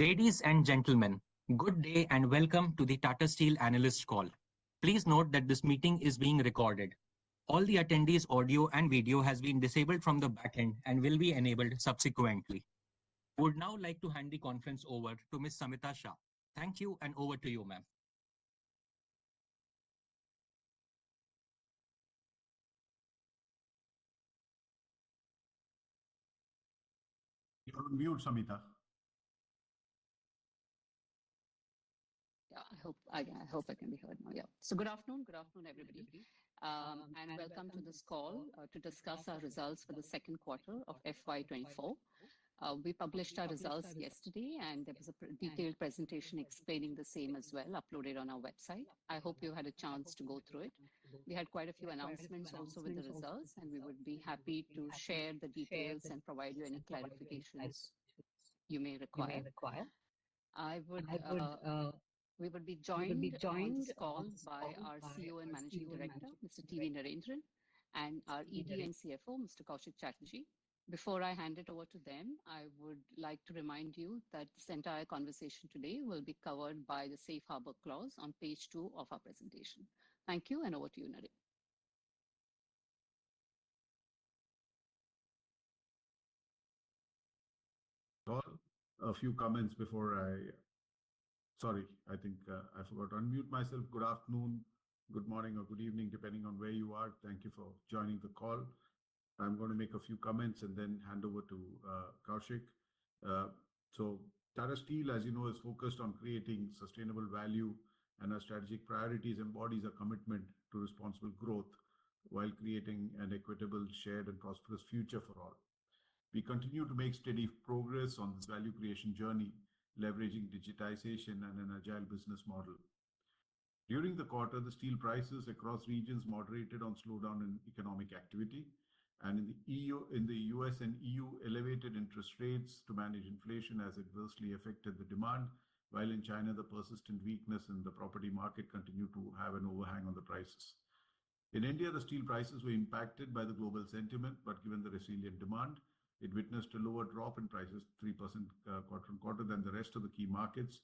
Ladies and gentlemen, good day and welcome to the Tata Steel Analyst Call. Please note that this meeting is being recorded. All the attendees' audio and video has been disabled from the back end and will be enabled subsequently. I would now like to hand the conference over to Ms. Samita Shah. Thank you, and over to you, ma'am. You're on mute, Samita. Yeah, I hope I can be heard now. Yeah. So good afternoon. Good afternoon, everybody, and welcome to this call to discuss our results for the second quarter of FY 2024. We published our results yesterday, and there was a detailed presentation explaining the same as well, uploaded on our website. I hope you had a chance to go through it. We had quite a few announcements also with the results, and we would be happy to share the details and provide you any clarifications you may require. We will be joined on this call by our CEO and Managing Director, Mr. T. V. Narendran, and our ED and CFO, Mr. Koushik Chatterjee. Before I hand it over to them, I would like to remind you that this entire conversation today will be covered by the safe harbor clause on page two of our presentation. Thank you, and over to you, Narendran. A few comments before I—Sorry, I think I forgot to unmute myself. Good afternoon, good morning, or good evening, depending on where you are. Thank you for joining the call. I'm gonna make a few comments and then hand over to Koushik. So Tata Steel, as you know, is focused on creating sustainable value, and our strategic priorities embodies a commitment to responsible growth while creating an equitable, shared, and prosperous future for all. We continue to make steady progress on this value creation journey, leveraging digitization and an agile business model. During the quarter, the steel prices across regions moderated on slowdown in economic activity, and in the EU... in the US and EU, elevated interest rates to manage inflation has adversely affected the demand. While in China, the persistent weakness in the property market continued to have an overhang on the prices. In India, the steel prices were impacted by the global sentiment, but given the resilient demand, it witnessed a lower drop in prices, 3%, quarter-on-quarter, than the rest of the key markets.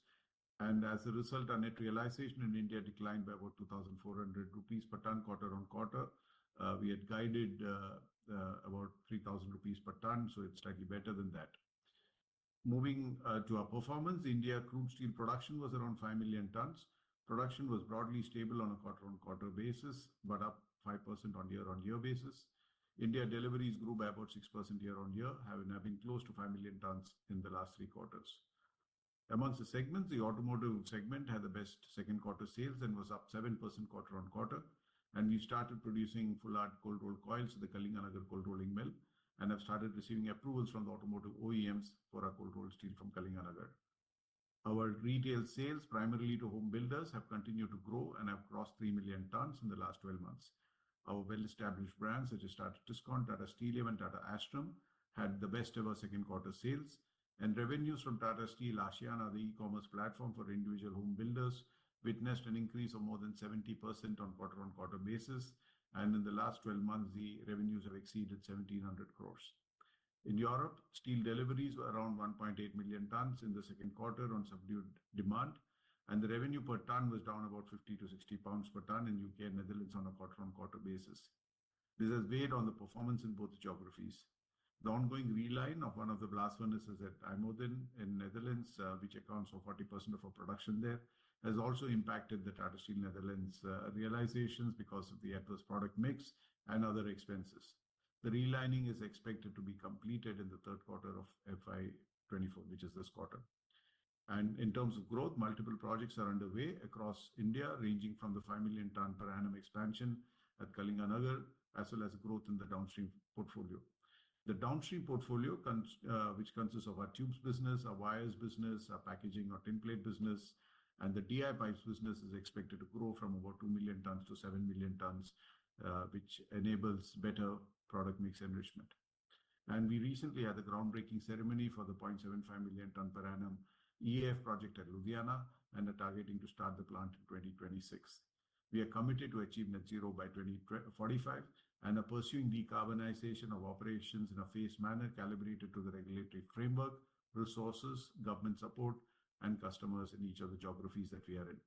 As a result, our net realization in India declined by about 2,400 rupees per ton, quarter-on-quarter. We had guided about 3,000 rupees per ton, so it's slightly better than that. Moving to our performance, India crude steel production was around 5 million tons. Production was broadly stable on a quarter-on-quarter basis, but up 5% on year-on-year basis. India deliveries grew by about 6% year-on-year, having close to 5 million tons in the last three quarters. Amongst the segments, the automotive segment had the best second-quarter sales and was up 7% quarter-on-quarter, and we started producing full hard cold-rolled coils at the Kalinganagar cold rolling mill and have started receiving approvals from the automotive OEMs for our cold-rolled steel from Kalinganagar. Our retail sales, primarily to home builders, have continued to grow and have crossed 3 million tons in the last 12 months. Our well-established brands, such as Tata Tiscon, Tata Steelium, and Tata Astrum, had the best-ever second-quarter sales. Revenues from Tata Aashiyana, the e-commerce platform for individual home builders, witnessed an increase of more than 70% on quarter-on-quarter basis, and in the last 12 months, the revenues have exceeded 1,700 crores. In Europe, steel deliveries were around 1.8 million tons in the second quarter on subdued demand, and the revenue per tonne was down about 50-60 pounds per ton in UK and Netherlands on a quarter-on-quarter basis. This has weighed on the performance in both geographies. The ongoing reline of one of the blast furnaces at IJmuiden in Netherlands, which accounts for 40% of our production there, has also impacted the Tata Steel Netherlands realizations because of the adverse product mix and other expenses. The relining is expected to be completed in the third quarter of FY 2024, which is this quarter. In terms of growth, multiple projects are underway across India, ranging from the 5 million ton per annum expansion at Kalinganagar, as well as growth in the downstream portfolio. The downstream portfolio, which consists of our tubes business, our wires business, our packaging, our tinplate business, and the DIY business, is expected to grow from about 2 million tons to 7 million tons, which enables better product mix enrichment. We recently had a groundbreaking ceremony for the 0.75 million tons per annum EAF project at Ludhiana, and are targeting to start the plant in 2026. We are committed to achieve net zero by 2045 and are pursuing decarbonization of operations in a phased manner, calibrated to the regulatory framework, resources, government support, and customers in each of the geographies that we are in.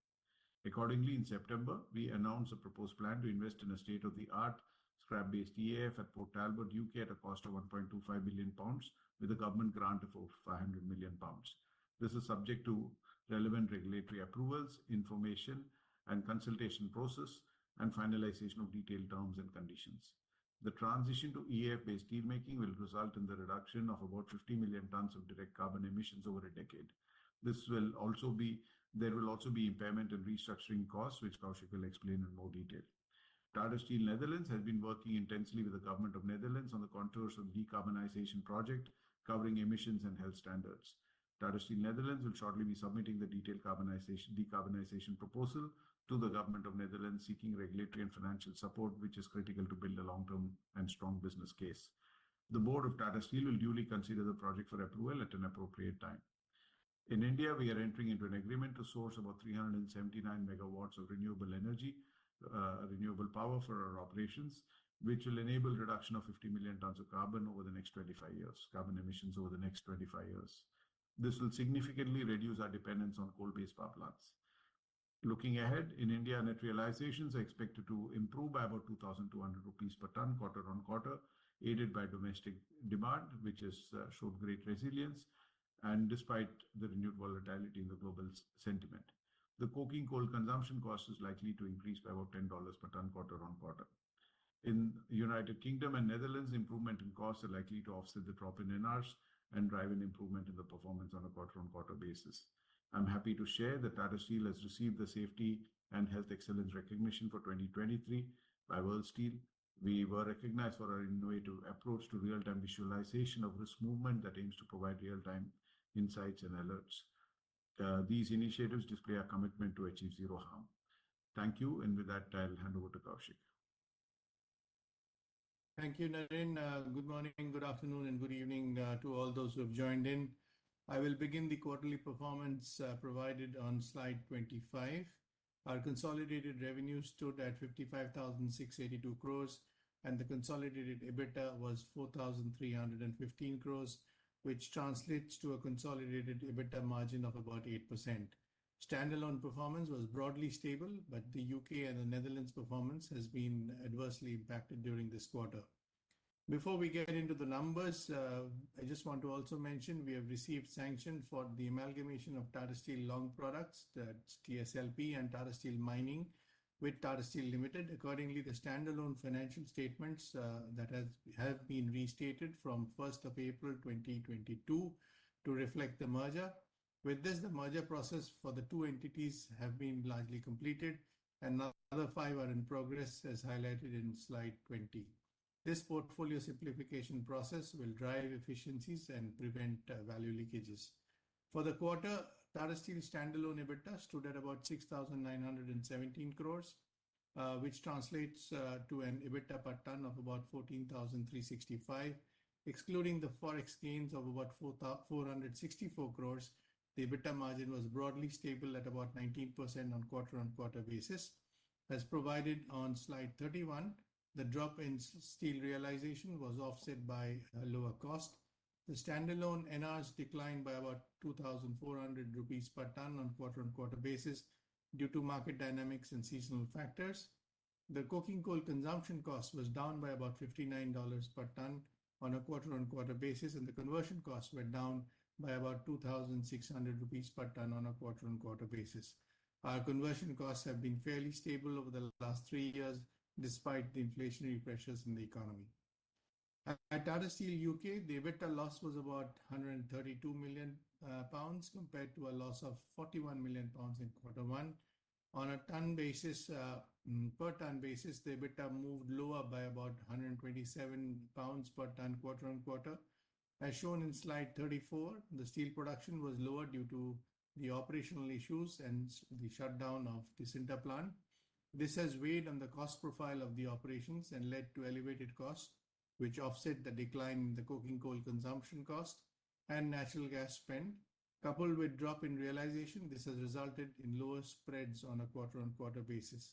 Accordingly, in September, we announced a proposed plan to invest in a state-of-the-art scrap-based EAF at Port Talbot, UK, at a cost of 1.25 billion pounds, with a government grant of over 500 million pounds. This is subject to relevant regulatory approvals, information and consultation process, and finalization of detailed terms and conditions. The transition to EAF-based steelmaking will result in the reduction of about 50 million tons of direct carbon emissions over a decade. There will also be impairment and restructuring costs, which Koushik will explain in more detail. Tata Steel Netherlands has been working intensely with the government of the Netherlands on the contours of decarbonization project, covering emissions and health standards. Tata Steel Netherlands will shortly be submitting the detailed decarbonization proposal to the government of the Netherlands, seeking regulatory and financial support, which is critical to build a long-term and strong business case. The board of Tata Steel will duly consider the project for approval at an appropriate time. In India, we are entering into an agreement to source about 379 megawatts of renewable energy, renewable power for our operations, which will enable reduction of 50 million tons of carbon emissions over the next 25 years. This will significantly reduce our dependence on coal-based power plants. Looking ahead, in India, net realizations are expected to improve by about 2,200 rupees per ton, quarter-on-quarter, aided by domestic demand, which has showed great resilience despite the renewed volatility in the global sentiment. The coking coal consumption cost is likely to increase by about $10 per ton, quarter-on-quarter. In United Kingdom and Netherlands, improvement in costs are likely to offset the drop in NRs and drive an improvement in the performance on a quarter-on-quarter basis. I'm happy to share that Tata Steel has received the Safety and Health Excellence Recognition for 2023 by World Steel. We were recognized for our innovative approach to real-time visualization of risk movement that aims to provide real-time insights and alerts. These initiatives display our commitment to achieve zero harm. Thank you, and with that, I'll hand over to Koushik. Thank you, Naren. Good morning, good afternoon, and good evening to all those who have joined in. I will begin the quarterly performance provided on slide 25. Our consolidated revenue stood at 55,682 crore, and the consolidated EBITDA was 4,315 crore, which translates to a consolidated EBITDA margin of about 8%. Standalone performance was broadly stable, but the U.K. and the Netherlands performance has been adversely impacted during this quarter. Before we get into the numbers, I just want to also mention we have received sanction for the amalgamation of Tata Steel Long Products, that's TSLP, and Tata Steel Mining with Tata Steel Limited. Accordingly, the standalone financial statements that have been restated from first of April, 2022, to reflect the merger. With this, the merger process for the two entities have been largely completed, and another five are in progress, as highlighted in slide 20. This portfolio simplification process will drive efficiencies and prevent value leakages. For the quarter, Tata Steel standalone EBITDA stood at about 6,917 crore, which translates to an EBITDA per ton of about 14,365. Excluding the Forex gains of about 464 crore, the EBITDA margin was broadly stable at about 19% on quarter-on-quarter basis. As provided on Slide 31, the drop in steel realization was offset by a lower cost. The standalone NRs declined by about 2,400 rupees per ton on quarter-on-quarter basis due to market dynamics and seasonal factors. The coking coal consumption cost was down by about $59 per ton on a quarter-on-quarter basis, and the conversion costs were down by about 2,600 rupees per ton on a quarter-on-quarter basis. Our conversion costs have been fairly stable over the last three years, despite the inflationary pressures in the economy. At Tata Steel UK, the EBITDA loss was about 132 million pounds, compared to a loss of 41 million pounds in quarter one. On a ton basis, per ton basis, the EBITDA moved lower by about 127 pounds per ton, quarter-on-quarter. As shown in Slide 34, the steel production was lower due to the operational issues and the shutdown of the sinter plant. This has weighed on the cost profile of the operations and led to elevated costs, which offset the decline in the coking coal consumption cost and natural gas spend. Coupled with drop in realization, this has resulted in lower spreads on a quarter-on-quarter basis.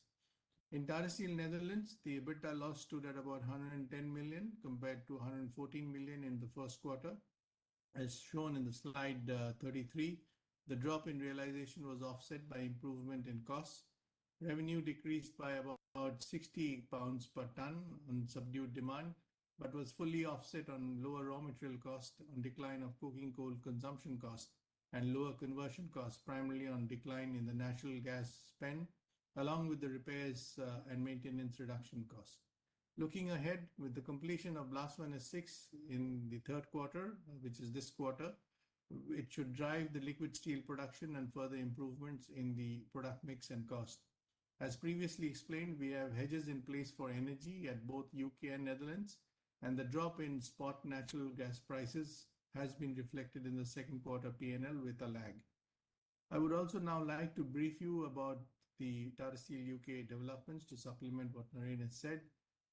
In Tata Steel Netherlands, the EBITDA loss stood at about 110 million, compared to 114 million in the first quarter. As shown in the slide 33, the drop in realization was offset by improvement in costs. Revenue decreased by about 68 pounds per ton on subdued demand, but was fully offset on lower raw material cost, on decline of coking coal consumption costs, and lower conversion costs, primarily on decline in the natural gas spend, along with the repairs and maintenance reduction costs. Looking ahead, with the completion of Blast Furnace Six in the third quarter, which is this quarter, it should drive the liquid steel production and further improvements in the product mix and cost. As previously explained, we have hedges in place for energy at both U.K. and Netherlands, and the drop in spot natural gas prices has been reflected in the second quarter PNL with a lag. I would also now like to brief you about the Tata Steel U.K. developments to supplement what Naren has said.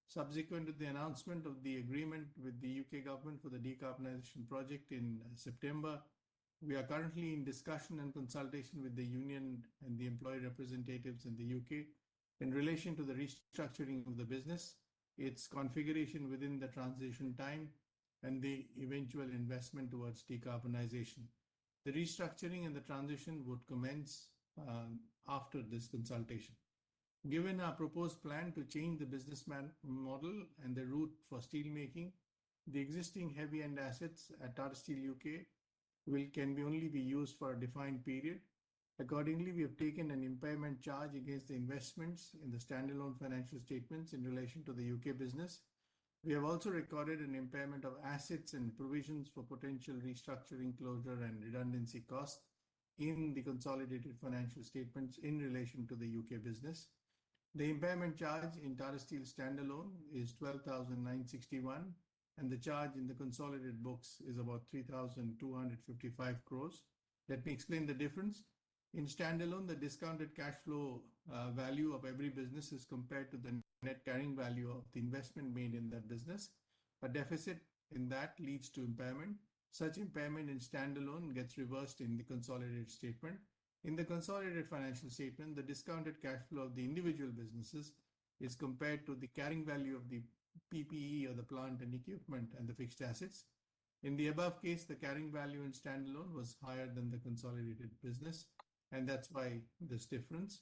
Subsequent to the announcement of the agreement with the U.K. government for the decarbonization project in September, we are currently in discussion and consultation with the union and the employee representatives in the U.K. in relation to the restructuring of the business, its configuration within the transition time, and the eventual investment towards decarbonization. The restructuring and the transition would commence after this consultation. Given our proposed plan to change the business model and the route for steelmaking, the existing heavy end assets at Tata Steel UK will only be used for a defined period. Accordingly, we have taken an impairment charge against the investments in the standalone financial statements in relation to the UK business. We have also recorded an impairment of assets and provisions for potential restructuring, closure, and redundancy costs in the consolidated financial statements in relation to the UK business. The impairment charge in Tata Steel standalone is 12,961 crores, and the charge in the consolidated books is about 3,255 crores. Let me explain the difference. In standalone, the discounted cash flow value of every business is compared to the net carrying value of the investment made in that business. A deficit in that leads to impairment. Such impairment in standalone gets reversed in the consolidated statement. In the consolidated financial statement, the discounted cash flow of the individual businesses is compared to the carrying value of the PPE, or the plant and equipment, and the fixed assets.... In the above case, the carrying value in standalone was higher than the consolidated business, and that's why there's difference.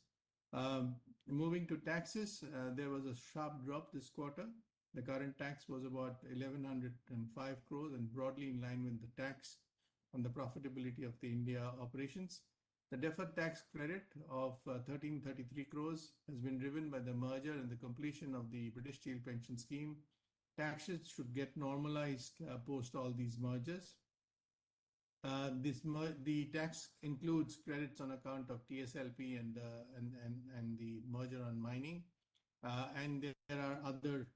Moving to taxes, there was a sharp drop this quarter. The current tax was about 1,105 crores and broadly in line with the tax on the profitability of the India operations. The deferred tax credit of 1,333 crores has been driven by the merger and the completion of the British Steel Pension Scheme. Taxes should get normalized post all these mergers. The tax includes credits on account of TSLP and the merger on mining. And there are other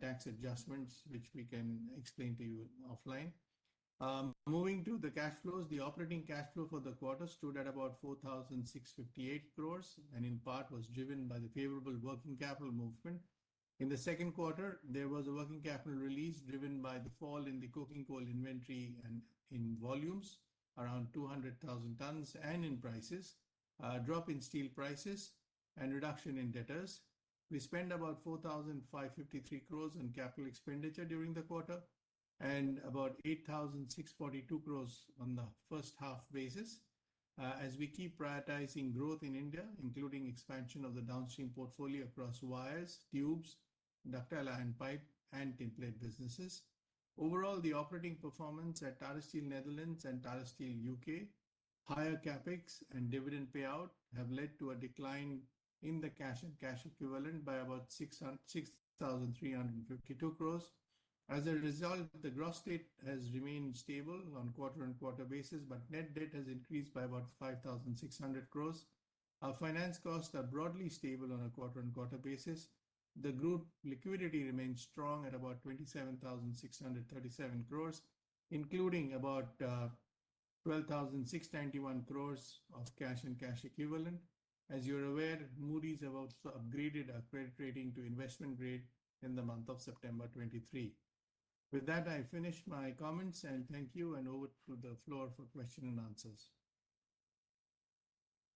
tax adjustments which we can explain to you offline. Moving to the cash flows, the operating cash flow for the quarter stood at about 4,658 crores, and in part was driven by the favorable working capital movement. In the second quarter, there was a working capital release driven by the fall in the coking coal inventory and in volumes, around 200,000 tons, and in prices, drop in steel prices and reduction in debtors. We spent about 4,553 crore in capital expenditure during the quarter and about 8,642 crore on the first half basis. As we keep prioritizing growth in India, including expansion of the downstream portfolio across wires, tubes, ductile iron pipe, and tinplate businesses. Overall, the operating performance at Tata Steel Netherlands and Tata Steel UK, higher CapEx and dividend payout have led to a decline in the cash and cash equivalent by about 6,352 crore. As a result, the gross debt has remained stable on quarter-on-quarter basis, but net debt has increased by about 5,600 crore. Our finance costs are broadly stable on a quarter-on-quarter basis. The group liquidity remains strong at about 27,637 crore, including about 12,691 crore of cash and cash equivalent. As you're aware, Moody's have also upgraded our credit rating to investment grade in the month of September 2023. With that, I finish my comments, and thank you, and over to the floor for question and answers.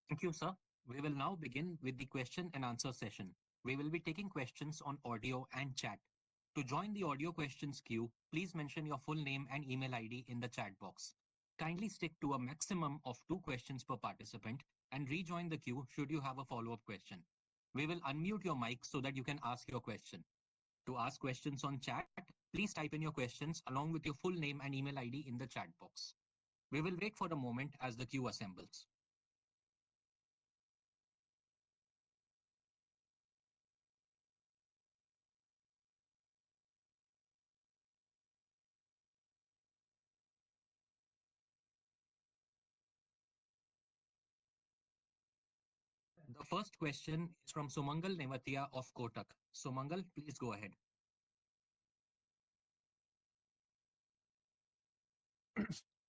Thank you, sir. We will now begin with the question and answer session. We will be taking questions on audio and chat. To join the audio questions queue, please mention your full name and email ID in the chat box. Kindly stick to a maximum of two questions per participant and rejoin the queue should you have a follow-up question. We will unmute your mic so that you can ask your question. To ask questions on chat, please type in your questions along with your full name and email ID in the chat box. We will break for a moment as the queue assembles. The first question is from Sumangal Nevatia of Kotak. Sumangal, please go ahead.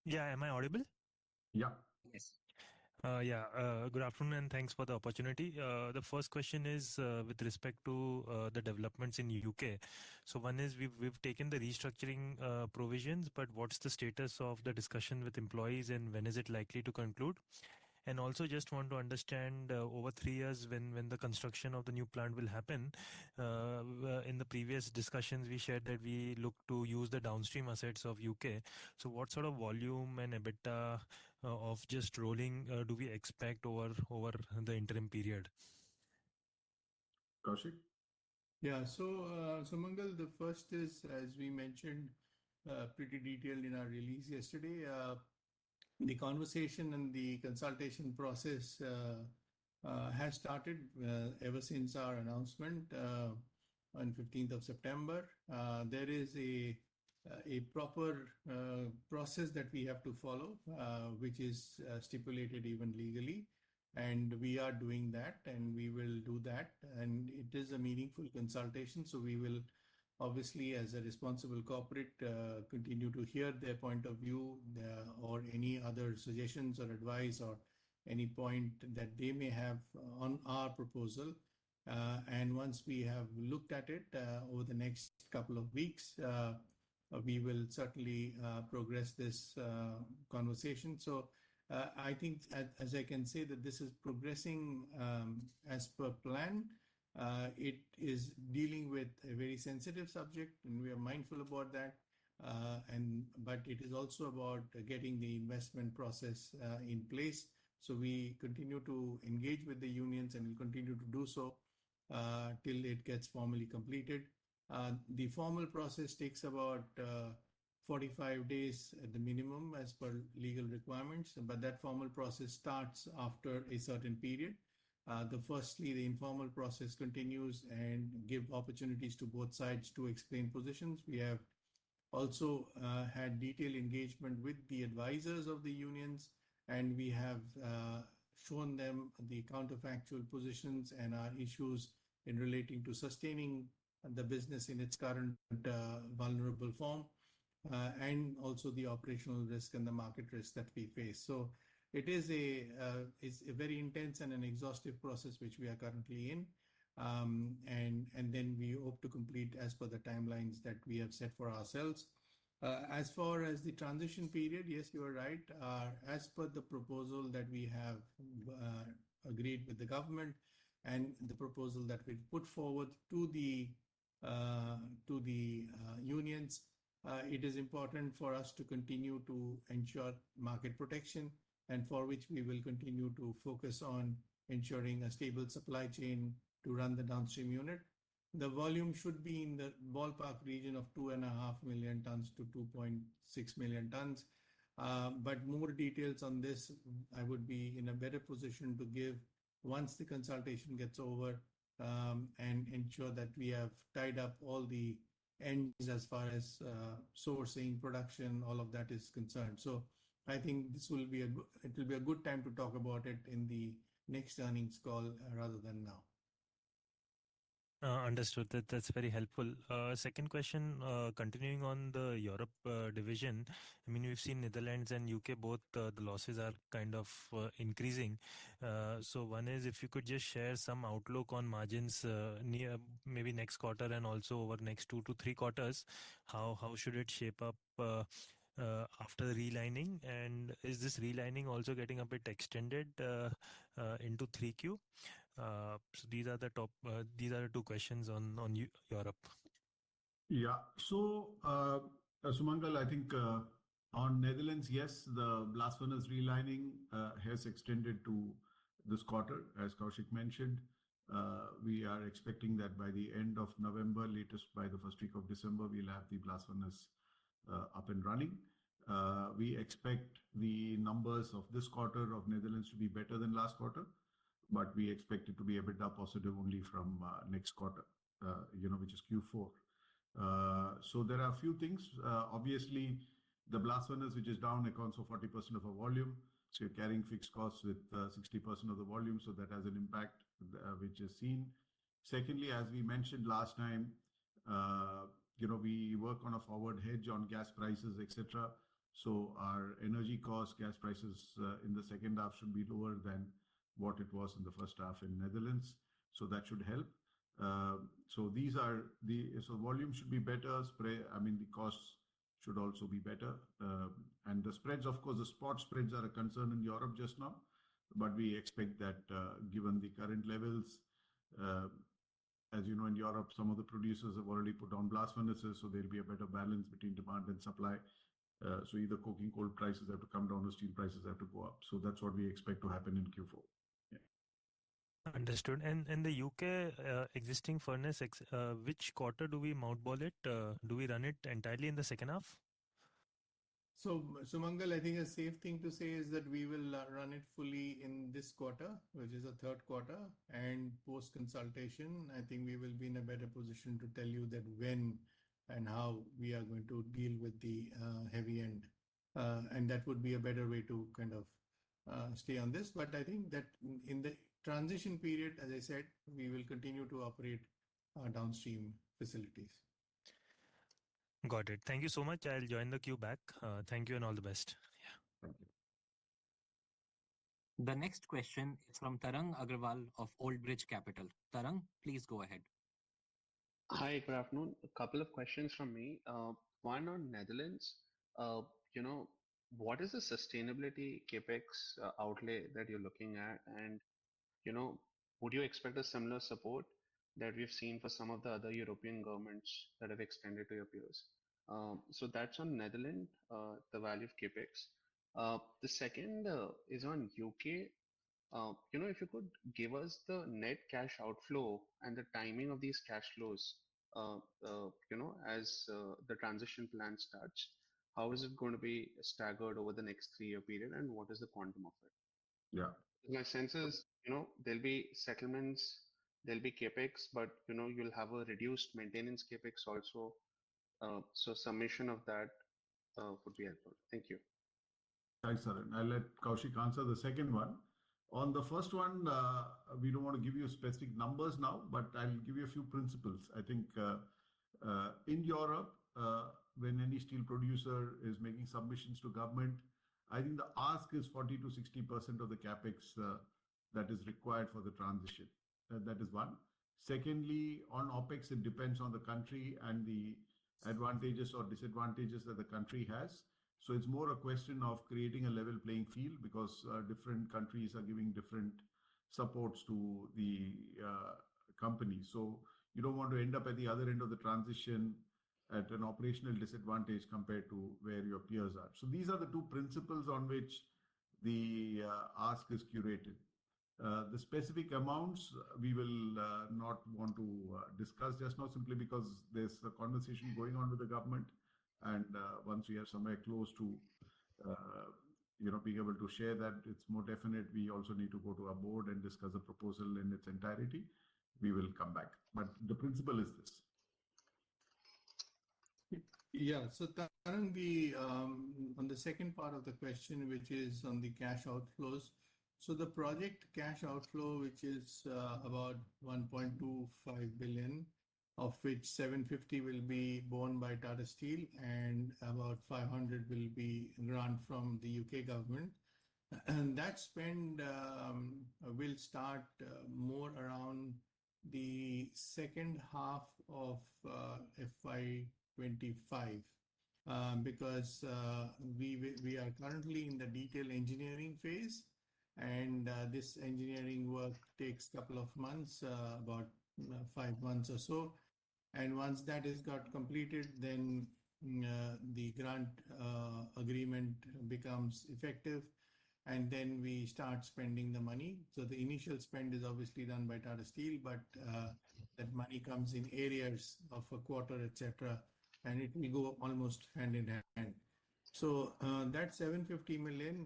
Yeah. Am I audible? Yeah. Yes. Yeah. Good afternoon, and thanks for the opportunity. The first question is with respect to the developments in UK. So one is, we've taken the restructuring provisions, but what's the status of the discussion with employees, and when is it likely to conclude? And also just want to understand over three years, when the construction of the new plant will happen. In the previous discussions, we shared that we look to use the downstream assets of UK. So what sort of volume and EBITDA of just rolling do we expect over the interim period? Koushik? Yeah. So, Sumangal, the first is, as we mentioned, pretty detailed in our release yesterday, the conversation and the consultation process has started ever since our announcement on fifteenth of September. There is a proper process that we have to follow, which is stipulated even legally, and we are doing that, and we will do that. And it is a meaningful consultation, so we will obviously, as a responsible corporate, continue to hear their point of view, or any other suggestions or advice or any point that they may have on our proposal. And once we have looked at it over the next couple of weeks, we will certainly progress this conversation. So, I think as I can say, that this is progressing as per plan. It is dealing with a very sensitive subject, and we are mindful about that, and but it is also about getting the investment process in place. So we continue to engage with the unions, and we'll continue to do so till it gets formally completed. The formal process takes about 45 days at the minimum as per legal requirements, but that formal process starts after a certain period. First, the informal process continues and give opportunities to both sides to explain positions. We have also had detailed engagement with the advisors of the unions, and we have shown them the counterfactual positions and our issues in relating to sustaining the business in its current vulnerable form, and also the operational risk and the market risk that we face. So it is, it's a very intense and an exhaustive process, which we are currently in. Then we hope to complete as per the timelines that we have set for ourselves. As far as the transition period, yes, you are right. As per the proposal that we have agreed with the government and the proposal that we've put forward to the unions, it is important for us to continue to ensure market protection, and for which we will continue to focus on ensuring a stable supply chain to run the downstream unit. The volume should be in the ballpark region of 2.5 million tons-2.6 million tons. But more details on this, I would be in a better position to give once the consultation gets over, and ensure that we have tied up all the ends as far as sourcing, production, all of that is concerned. So I think this will be a good time to talk about it in the next earnings call rather than now. Understood. That's very helpful. Second question, continuing on the Europe division. I mean, we've seen Netherlands and UK both, the losses are kind of increasing. So one is, if you could just share some outlook on margins, near maybe next quarter and also over the next 2-3 quarters, how should it shape up, after the relining? And is this relining also getting a bit extended into 3Q? So these are the top, these are the two questions on Europe. Yeah. So, Sumangal, I think, on Netherlands, yes, the blast furnace relining has extended to this quarter, as Koushik mentioned. We are expecting that by the end of November, latest by the first week of December, we'll have the blast furnace up and running. We expect the numbers of this quarter of Netherlands to be better than last quarter, but we expect it to be a bit up positive only from next quarter, you know, which is Q4. So there are a few things. Obviously, the blast furnace, which is down, accounts for 40% of our volume, so you're carrying fixed costs with 60% of the volume, so that has an impact, which is seen. Secondly, as we mentioned last time, you know, we work on a forward hedge on gas prices, et cetera, so our energy costs, gas prices, in the second half should be lower than what it was in the first half in Netherlands, so that should help. So these are the... So volume should be better, spread—I mean, the costs should also be better. And the spreads, of course, the spot spreads are a concern in Europe just now, but we expect that, given the current levels, as you know, in Europe, some of the producers have already put down blast furnaces, so there'll be a better balance between demand and supply. So either coking coal prices have to come down or steel prices have to go up. So that's what we expect to happen in Q4. Yeah. Understood. And the UK existing furnace—which quarter do we shut it down? Do we run it entirely in the second half? So, Sumangal, I think a safe thing to say is that we will run it fully in this quarter, which is the third quarter. And post-consultation, I think we will be in a better position to tell you that when and how we are going to deal with the heavy end. And that would be a better way to kind of stay on this. But I think that in the transition period, as I said, we will continue to operate our downstream facilities. Got it. Thank you so much. I'll join the queue back. Thank you, and all the best. Yeah. Thank you. The next question is from Tarang Agrawal of Old Bridge Capital. Tarang, please go ahead. Hi, good afternoon. A couple of questions from me. One on Netherlands. You know, what is the sustainability CapEx outlay that you're looking at? And, you know, would you expect a similar support that we've seen for some of the other European governments that have extended to your peers? So that's on Netherlands, the value of CapEx. The second is on UK. You know, if you could give us the net cash outflow and the timing of these cash flows, you know, as the transition plan starts, how is it going to be staggered over the next three-year period, and what is the quantum of it? Yeah. My sense is, you know, there'll be settlements, there'll be CapEx, but, you know, you'll have a reduced maintenance CapEx also. So summation of that would be helpful. Thank you. Thanks, Tarang. I'll let Koushik answer the second one. On the first one, we don't want to give you specific numbers now, but I'll give you a few principles. I think, in Europe, when any steel producer is making submissions to government, I think the ask is 40%-60% of the CapEx that is required for the transition. That is one. Secondly, on OpEx, it depends on the country and the advantages or disadvantages that the country has. So it's more a question of creating a level playing field because, different countries are giving different supports to the, companies. So you don't want to end up at the other end of the transition at an operational disadvantage compared to where your peers are. So these are the two principles on which the, ask is curated. The specific amounts, we will not want to discuss just now simply because there's a conversation going on with the government, and once we are somewhere close to you know, being able to share that, it's more definite, we also need to go to our board and discuss the proposal in its entirety. We will come back, but the principle is this. Yeah. So, Tarang, the... On the second part of the question, which is on the cash outflows. So the project cash outflow, which is about 1.25 billion, of which 750 million will be borne by Tata Steel and about 500 million will be grant from the UK government. And that spend will start more around the second half of FY-... 25, because we are currently in the detail engineering phase, and this engineering work takes a couple of months, about five months or so. And once that is got completed, then the grant agreement becomes effective, and then we start spending the money. So the initial spend is obviously done by Tata Steel, but that money comes in areas of a quarter, et cetera, and it, we go almost hand in hand. So that 750 million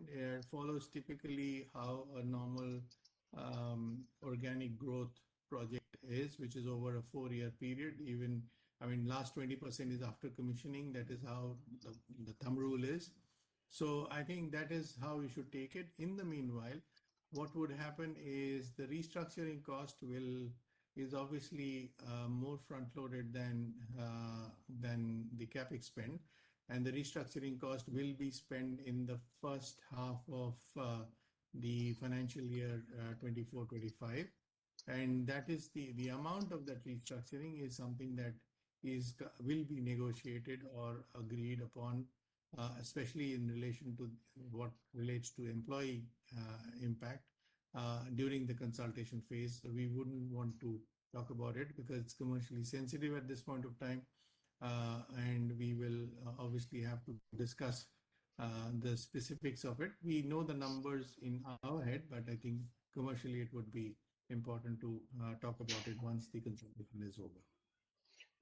follows typically how a normal organic growth project is, which is over a 4-year period. Even, I mean, last 20% is after commissioning. That is how the thumb rule is. So I think that is how we should take it. In the meanwhile, what would happen is the restructuring cost is obviously more front-loaded than the CapEx spend, and the restructuring cost will be spent in the first half of the financial year 2024-2025. And that is the amount of that restructuring is something that will be negotiated or agreed upon, especially in relation to what relates to employee impact during the consultation phase. We wouldn't want to talk about it because it's commercially sensitive at this point of time, and we will obviously have to discuss the specifics of it. We know the numbers in our head, but I think commercially it would be important to talk about it once the consultation is over.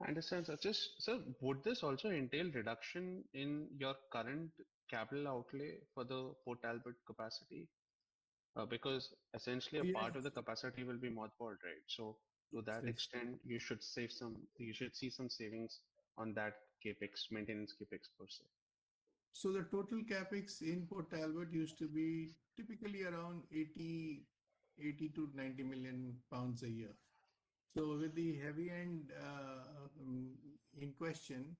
I understand, sir. Just, sir, would this also entail reduction in your current capital outlay for the Port Talbot capacity? because essentially- Yes... a part of the capacity will be mothballed, right? So to that extent, you should save some, you should see some savings on that CapEx, maintenance CapEx per se. So the total CapEx in Port Talbot used to be typically around 80-90 million pounds a year. So with the heavy end in question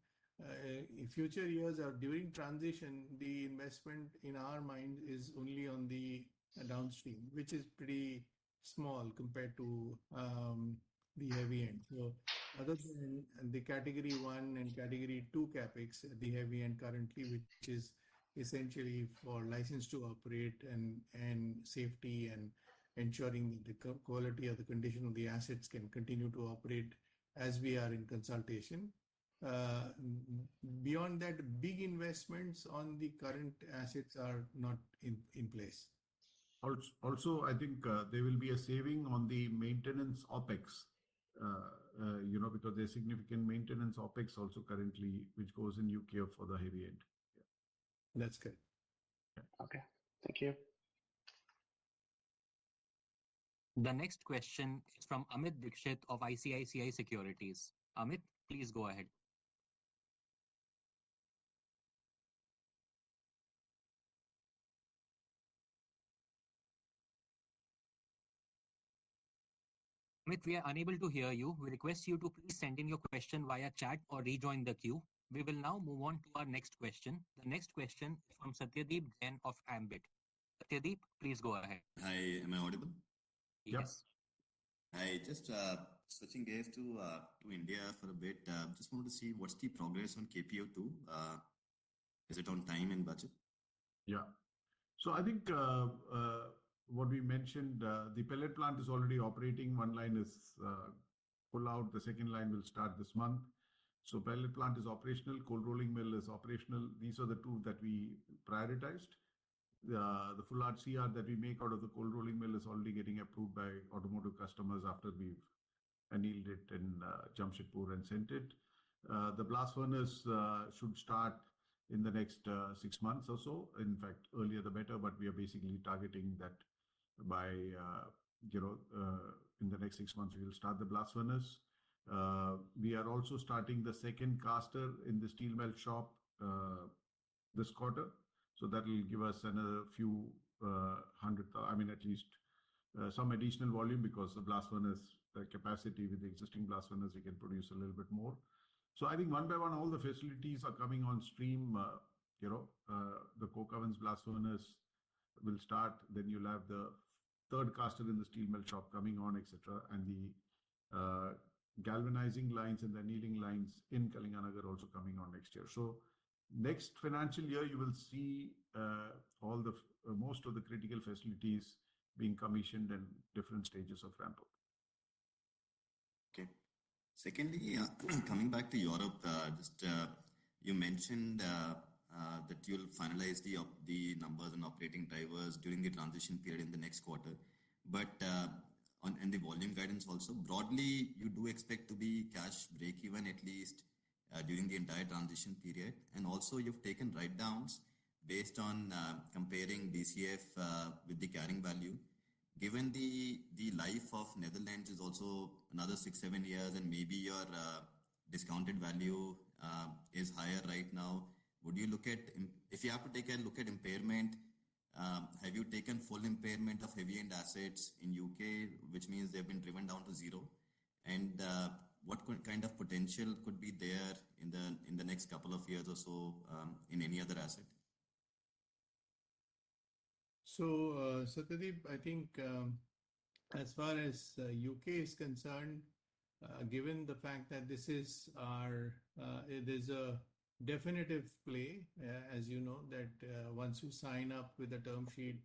in future years or during transition, the investment in our mind is only on the downstream, which is pretty small compared to the heavy end. So other than the Category One and Category Two CapEx, the heavy end currently, which is essentially for license to operate and safety, and ensuring the quality of the condition of the assets can continue to operate as we are in consultation, beyond that, big investments on the current assets are not in place. Also, I think, there will be a saving on the maintenance OpEx, you know, because there's significant maintenance OpEx also currently, which goes in U.K. for the heavy end. That's good. Yeah. Okay. Thank you. The next question is from Amit Dixit of ICICI Securities. Amit, please go ahead. Amit, we are unable to hear you. We request you to please send in your question via chat or rejoin the queue. We will now move on to our next question. The next question from Satyadeep Jain of Ambit. Satyadeep, please go ahead. Hi, am I audible? Yes. Yep. Hi, just switching gears to India for a bit. Just wanted to see what's the progress on KPO two. Is it on time and budget? Yeah. So I think, what we mentioned, the pellet plant is already operating. One line is, full out, the second line will start this month. So pellet plant is operational, cold rolling mill is operational. These are the two that we prioritized. The full HCR that we make out of the cold rolling mill is already getting approved by automotive customers after we've annealed it in, Jamshedpur and sent it. The blast furnace, should start in the next, six months or so. In fact, earlier, the better, but we are basically targeting that by, you know, in the next six months, we will start the blast furnace. We are also starting the second caster in the steel melt shop, this quarter, so that will give us another few, I mean, at least, some additional volume because the blast furnace, the capacity with the existing blast furnace, we can produce a little bit more. So I think one by one, all the facilities are coming on stream, you know, the coke ovens, blast furnace will start, then you'll have the third caster in the steel melt shop coming on, et cetera. And the galvanizing lines and the annealing lines in Kalinganagar are also coming on next year. So next financial year, you will see, all the... most of the critical facilities being commissioned in different stages of ramp-up. Okay. Secondly, coming back to Europe, just, you mentioned that you'll finalize the numbers and operating drivers during the transition period in the next quarter, but and the volume guidance also. Broadly, you do expect to be cash breakeven, at least, during the entire transition period, and also you've taken write-downs based on comparing BCF with the carrying value. Given the life of Netherlands is also another 6-7 years, and maybe your discounted value is higher right now, would you look at... If you have to take a look at impairment, have you taken full impairment of heavy end assets in U.K., which means they've been driven down to zero? What kind of potential could be there in the next couple of years or so, in any other asset?... So, Satyadeep, I think, as far as UK is concerned, given the fact that this is our... it is a definitive play, as you know, that once you sign up with the term sheet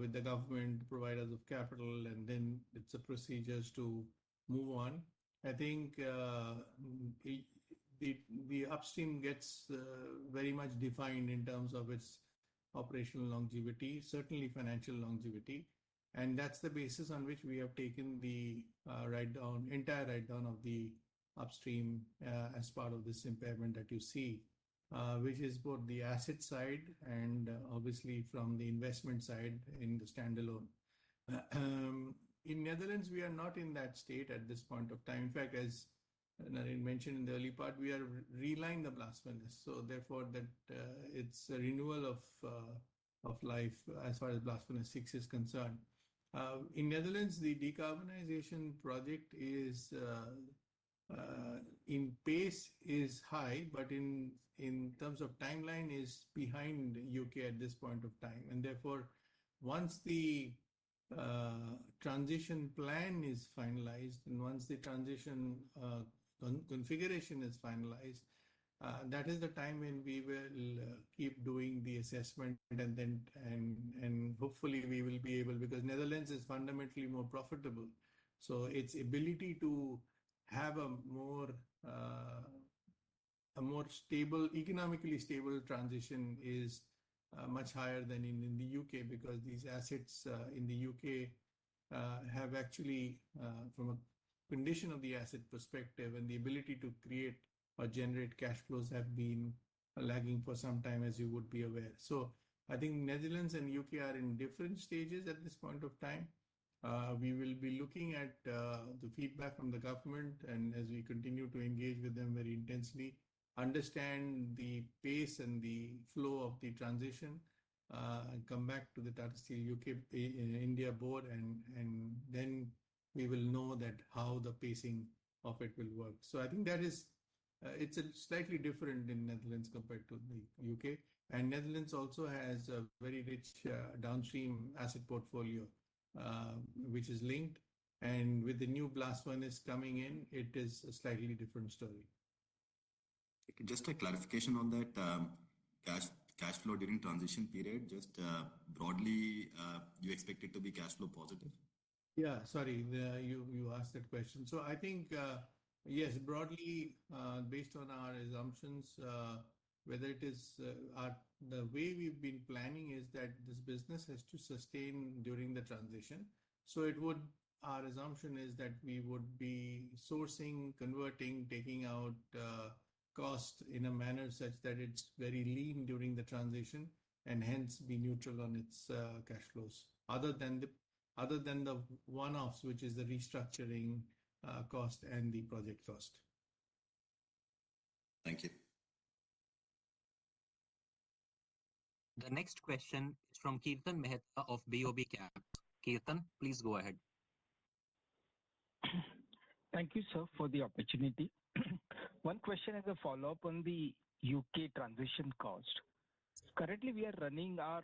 with the government providers of capital, and then it's a procedures to move on. I think the upstream gets very much defined in terms of its operational longevity, certainly financial longevity, and that's the basis on which we have taken the write down, entire write down of the upstream, as part of this impairment that you see, which is both the asset side and obviously from the investment side in the standalone. In Netherlands, we are not in that state at this point of time. In fact, as Naren mentioned in the early part, we are relining the blast furnace, so therefore, that, it's a renewal of life as far as Blast Furnace Six is concerned. In Netherlands, the decarbonization project is the pace is high, but in terms of timeline is behind UK at this point of time. And therefore, once the transition plan is finalized, and once the transition configuration is finalized, that is the time when we will keep doing the assessment, and then, and hopefully we will be able... Because Netherlands is fundamentally more profitable, so its ability to have a more, a more stable, economically stable transition is, much higher than in, in the UK, because these assets, in the UK, have actually, from a condition of the asset perspective and the ability to create or generate cash flows have been lagging for some time, as you would be aware. So I think Netherlands and UK are in different stages at this point of time. We will be looking at, the feedback from the government, and as we continue to engage with them very intensely, understand the pace and the flow of the transition, and come back to the Tata Steel UK, and India board, and, and then we will know that how the pacing of it will work. So I think that is, it's slightly different in Netherlands compared to the U.K. And Netherlands also has a very rich, downstream asset portfolio, which is linked, and with the new blast furnace coming in, it is a slightly different story. Just a clarification on that, cash flow during transition period, just broadly, you expect it to be cash flow positive? Yeah, sorry, you asked that question. So I think, yes, broadly, based on our assumptions, whether it is, our-- the way we've been planning is that this business has to sustain during the transition, so it would... Our assumption is that we would be sourcing, converting, taking out, cost in a manner such that it's very lean during the transition and hence be neutral on its, cash flows, other than the, other than the one-offs, which is the restructuring, cost and the project cost. Thank you. The next question is from Kirtan Mehta of BOB Capital. Kirtan, please go ahead. Thank you, sir, for the opportunity. One question as a follow-up on the U.K. transition cost. Currently, we are running our,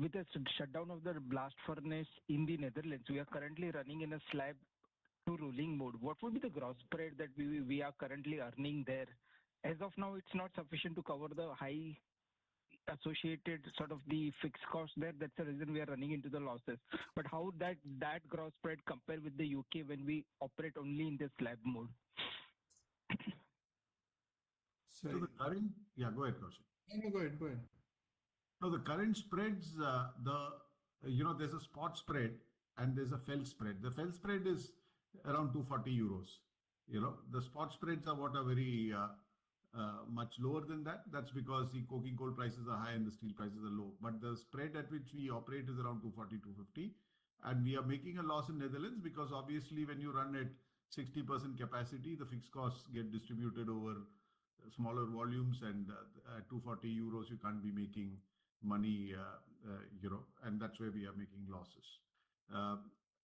with the shutdown of the blast furnace in the Netherlands, we are currently running in a slab to rolling mode. What would be the gross spread that we are currently earning there? As of now, it's not sufficient to cover the high associated sort of the fixed costs there. That's the reason we are running into the losses. But how that gross spread compare with the U.K. when we operate only in the slab mode? Yeah, go ahead, Koushik. No, no, go ahead. Go ahead. So the current spreads, you know, there's a spot spread, and there's a full spread. The full spread is around 240 euros. You know, the spot spreads are what are very much lower than that. That's because the coking coal prices are high and the steel prices are low. But the spread at which we operate is around 240-250, and we are making a loss in Netherlands because obviously when you run at 60% capacity, the fixed costs get distributed over smaller volumes, and at 240 euros, you can't be making money, you know, and that's where we are making losses.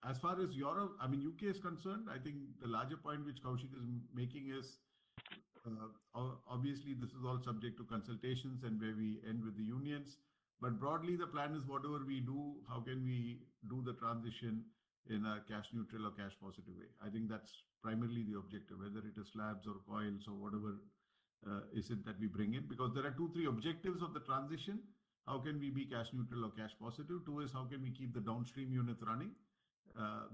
As far as Europe, I mean, UK is concerned, I think the larger point which Koushik is making is, obviously, this is all subject to consultations and where we end with the unions, but broadly, the plan is whatever we do, how can we do the transition in a cash neutral or cash positive way? I think that's primarily the objective, whether it is slabs or coils or whatever, is it that we bring in. Because there are two, three objectives of the transition: How can we be cash neutral or cash positive? Two is, how can we keep the downstream units running,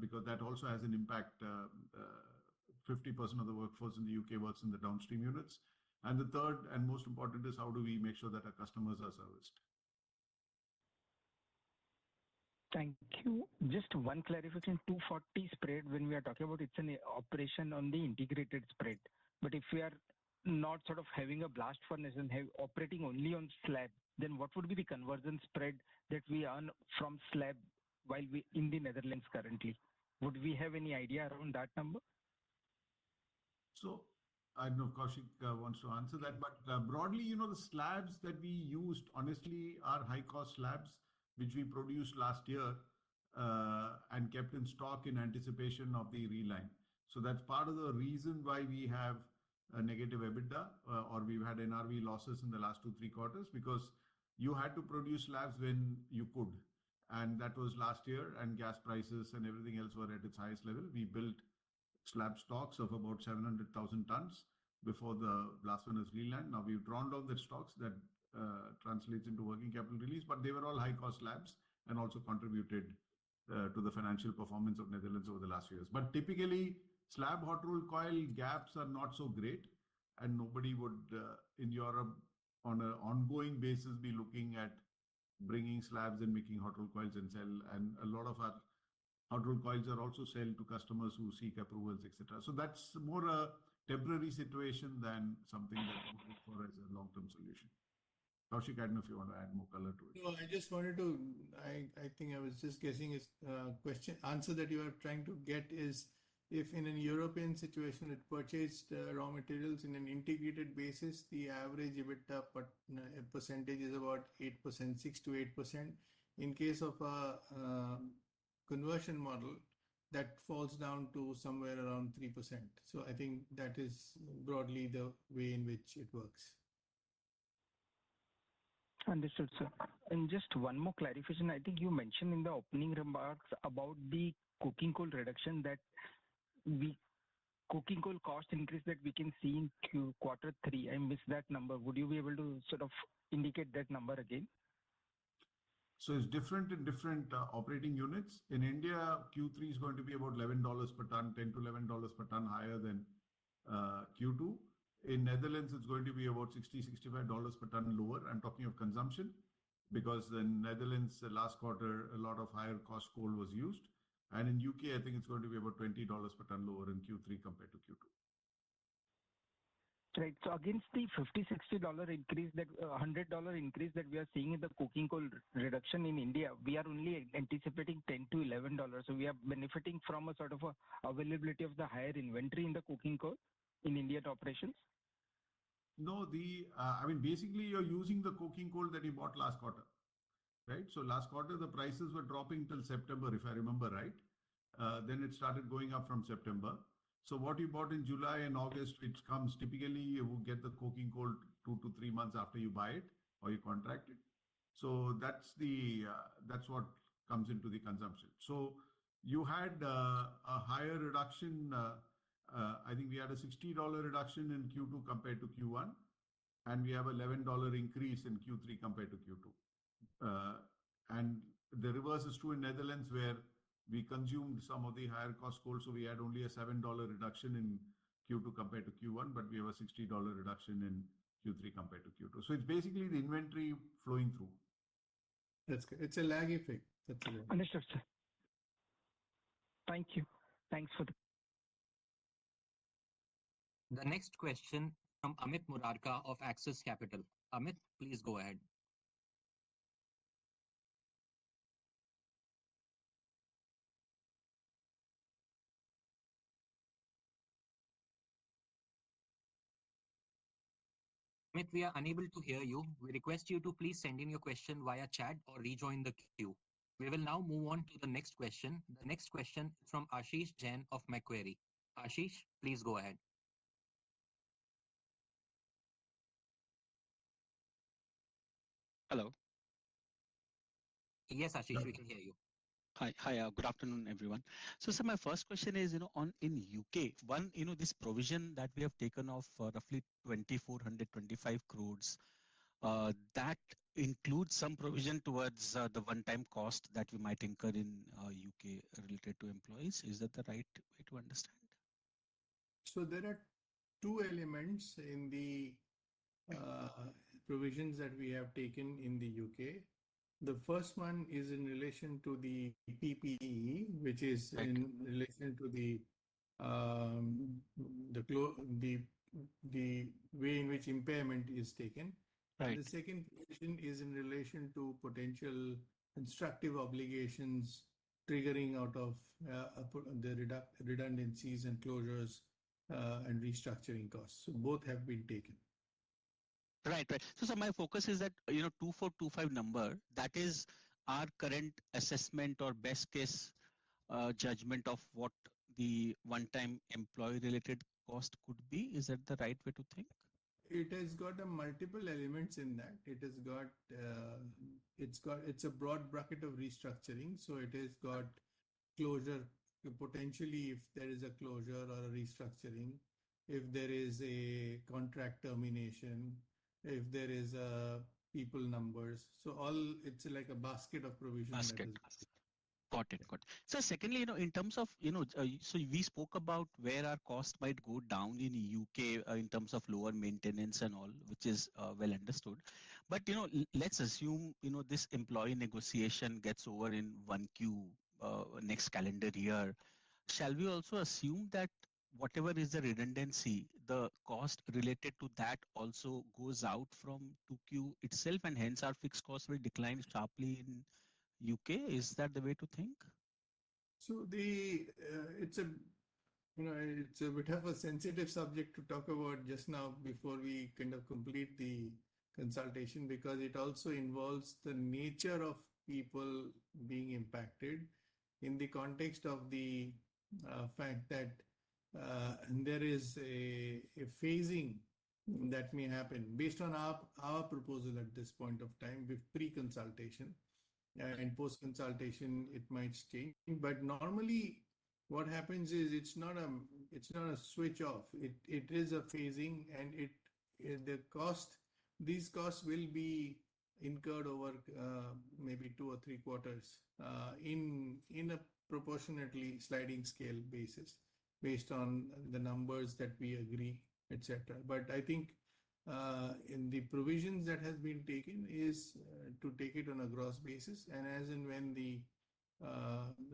because that also has an impact, 50% of the workforce in the UK works in the downstream units. And the third, and most important, is how do we make sure that our customers are serviced? Thank you. Just one clarification, 240 spread, when we are talking about it's an operation on the integrated spread, but if we are not sort of having a blast furnace and have operating only on slab, then what would be the conversion spread that we earn from slab while we're in the Netherlands currently? Would we have any idea around that number? I don't know if Koushik wants to answer that, but broadly, you know, the slabs that we used honestly are high-cost slabs, which we produced last year.... and kept in stock in anticipation of the reline. So that's part of the reason why we have a negative EBITDA, or we've had NRV losses in the last two, three quarters, because you had to produce slabs when you could, and that was last year, and gas prices and everything else were at its highest level. We built slab stocks of about 700,000 tons before the last one was relined. Now, we've drawn down the stocks. That translates into working capital release, but they were all high-cost slabs and also contributed to the financial performance of Netherlands over the last few years. But typically, slab, Hot Rolled Coil gaps are not so great, and nobody would in Europe on an ongoing basis, be looking at bringing slabs and making Hot Rolled Coils and sell. A lot of our hot-rolled coils are also sold to customers who seek approvals, et cetera. So that's more a temporary situation than something that we look for as a long-term solution. Koushik, I don't know if you want to add more color to it. No, I just wanted to. I think I was just guessing. Is the question-answer that you are trying to get is, if in a European situation it purchased raw materials in an integrated basis, the average EBITDA per percentage is about 8%, 6%-8%. In case of a conversion model, that falls down to somewhere around 3%. So I think that is broadly the way in which it works. Understood, sir. And just one more clarification. I think you mentioned in the opening remarks about the coking coal reduction, that the coking coal cost increase that we can see in quarter three, I missed that number. Would you be able to sort of indicate that number again? So it's different in different operating units. In India, Q3 is going to be about $11 per ton, $10-$11 per ton higher than Q2. In Netherlands, it's going to be about $60-$65 per ton lower. I'm talking of consumption, because in Netherlands, last quarter, a lot of higher cost coal was used. And in UK, I think it's going to be about $20 per ton lower in Q3 compared to Q2. Right. So against the $50-$60 dollar increase that hundred dollar increase that we are seeing in the coking coal reduction in India, we are only anticipating $10-$11. So we are benefiting from a sort of a availability of the higher inventory in the coking coal in India operations? No, the—I mean, basically, you're using the coking coal that you bought last quarter, right? So last quarter, the prices were dropping till September, if I remember right. Then it started going up from September. So what you bought in July and August, it comes typically, you will get the coking coal two to three months after you buy it or you contract it. So that's the, that's what comes into the consumption. So you had a higher reduction. I think we had a $60 reduction in Q2 compared to Q1, and we have $11 increase in Q3 compared to Q2. The reverse is true in Netherlands, where we consumed some of the higher cost coal, so we had only a $7 reduction in Q2 compared to Q1, but we have a $60 reduction in Q3 compared to Q2. So it's basically the inventory flowing through. That's good. It's a lag effect. That's it. Understood, sir. Thank you. Thanks for that. The next question from Amit Murarka of Axis Capital. Amit, please go ahead. Amit, we are unable to hear you. We request you to please send in your question via chat or rejoin the queue. We will now move on to the next question. The next question from Ashish Jain of Macquarie. Ashish, please go ahead. Hello. Yes, Ashish, we can hear you. Hi. Hi, good afternoon, everyone. So, sir, my first question is, you know, on in UK, one, you know, this provision that we have taken of, roughly 2,400-2,500 crore, that includes some provision towards, the one-time cost that you might incur in, UK related to employees. Is that the right way to understand? There are two elements in the- Right .provisions that we have taken in the UK. The first one is in relation to the PPE, which is- Right in relation to the way in which impairment is taken. Right. And the second provision is in relation to potential constructive obligations triggering out of the redundancies and closures, and restructuring costs. So both have been taken. Right. Right. So, sir, my focus is that, you know, 24, 25 number, that is our current assessment or best case, judgment of what the one-time employee related cost could be. Is that the right way to think? It has got multiple elements in that. It has got, it's got. It's a broad bracket of restructuring, so it has got closure, potentially if there is a closure or a restructuring, if there is a contract termination, if there is, people numbers. So all it's like a basket of provisions. Basket. Got it. Got it. So secondly, you know, in terms of, you know, so we spoke about where our costs might go down in U.K., in terms of lower maintenance and all, which is, well understood. But, you know, let's assume, you know, this employee negotiation gets over in one Q, next calendar year. Shall we also assume that whatever is the redundancy, the cost related to that also goes out from two Q itself, and hence our fixed costs will decline sharply in U.K.? Is that the way to think? So, you know, it's a bit of a sensitive subject to talk about just now before we kind of complete the consultation, because it also involves the nature of people being impacted in the context of the fact that there is a phasing that may happen. Based on our proposal at this point of time with pre-consultation and post-consultation, it might change. But normally, what happens is it's not, it's not a switch off, it is a phasing and it—the costs will be incurred over maybe two or three quarters in a proportionately sliding scale basis based on the numbers that we agree, et cetera. But I think, in the provisions that has been taken is, to take it on a gross basis, and as and when the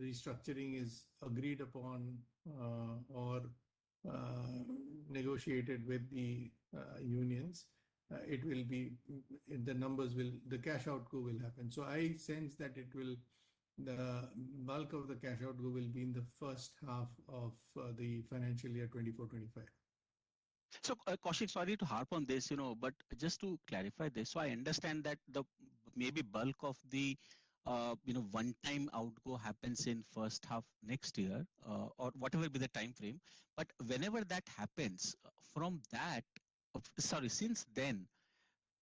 restructuring is agreed upon, or negotiated with the unions, it will be the numbers will the cash outgo will happen. So I sense that it will, the bulk of the cash outgo will be in the first half of the financial year 2024-2025. So, Koushik, sorry to harp on this, you know, but just to clarify this. So I understand that the maybe bulk of the, you know, one-time outgo happens in first half next year, or whatever be the time frame. But whenever that happens, from that, sorry, since then,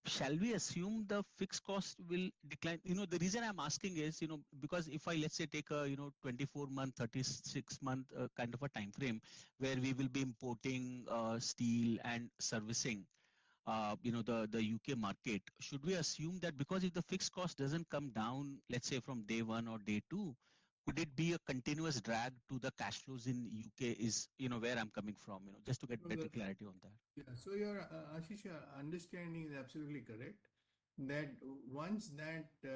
shall we assume the fixed cost will decline? You know, the reason I'm asking is, you know, because if I, let's say, take a, you know, 24-month, 36-month kind of a time frame, where we will be importing, steel and servicing, you know, the, the UK market, should we assume that? Because if the fixed cost doesn't come down, let's say, from day one or day two, would it be a continuous drag to the cash flows in U.K., you know, where I'm coming from, you know, just to get better clarity on that. Yeah. So your, Ashish, your understanding is absolutely correct, that once that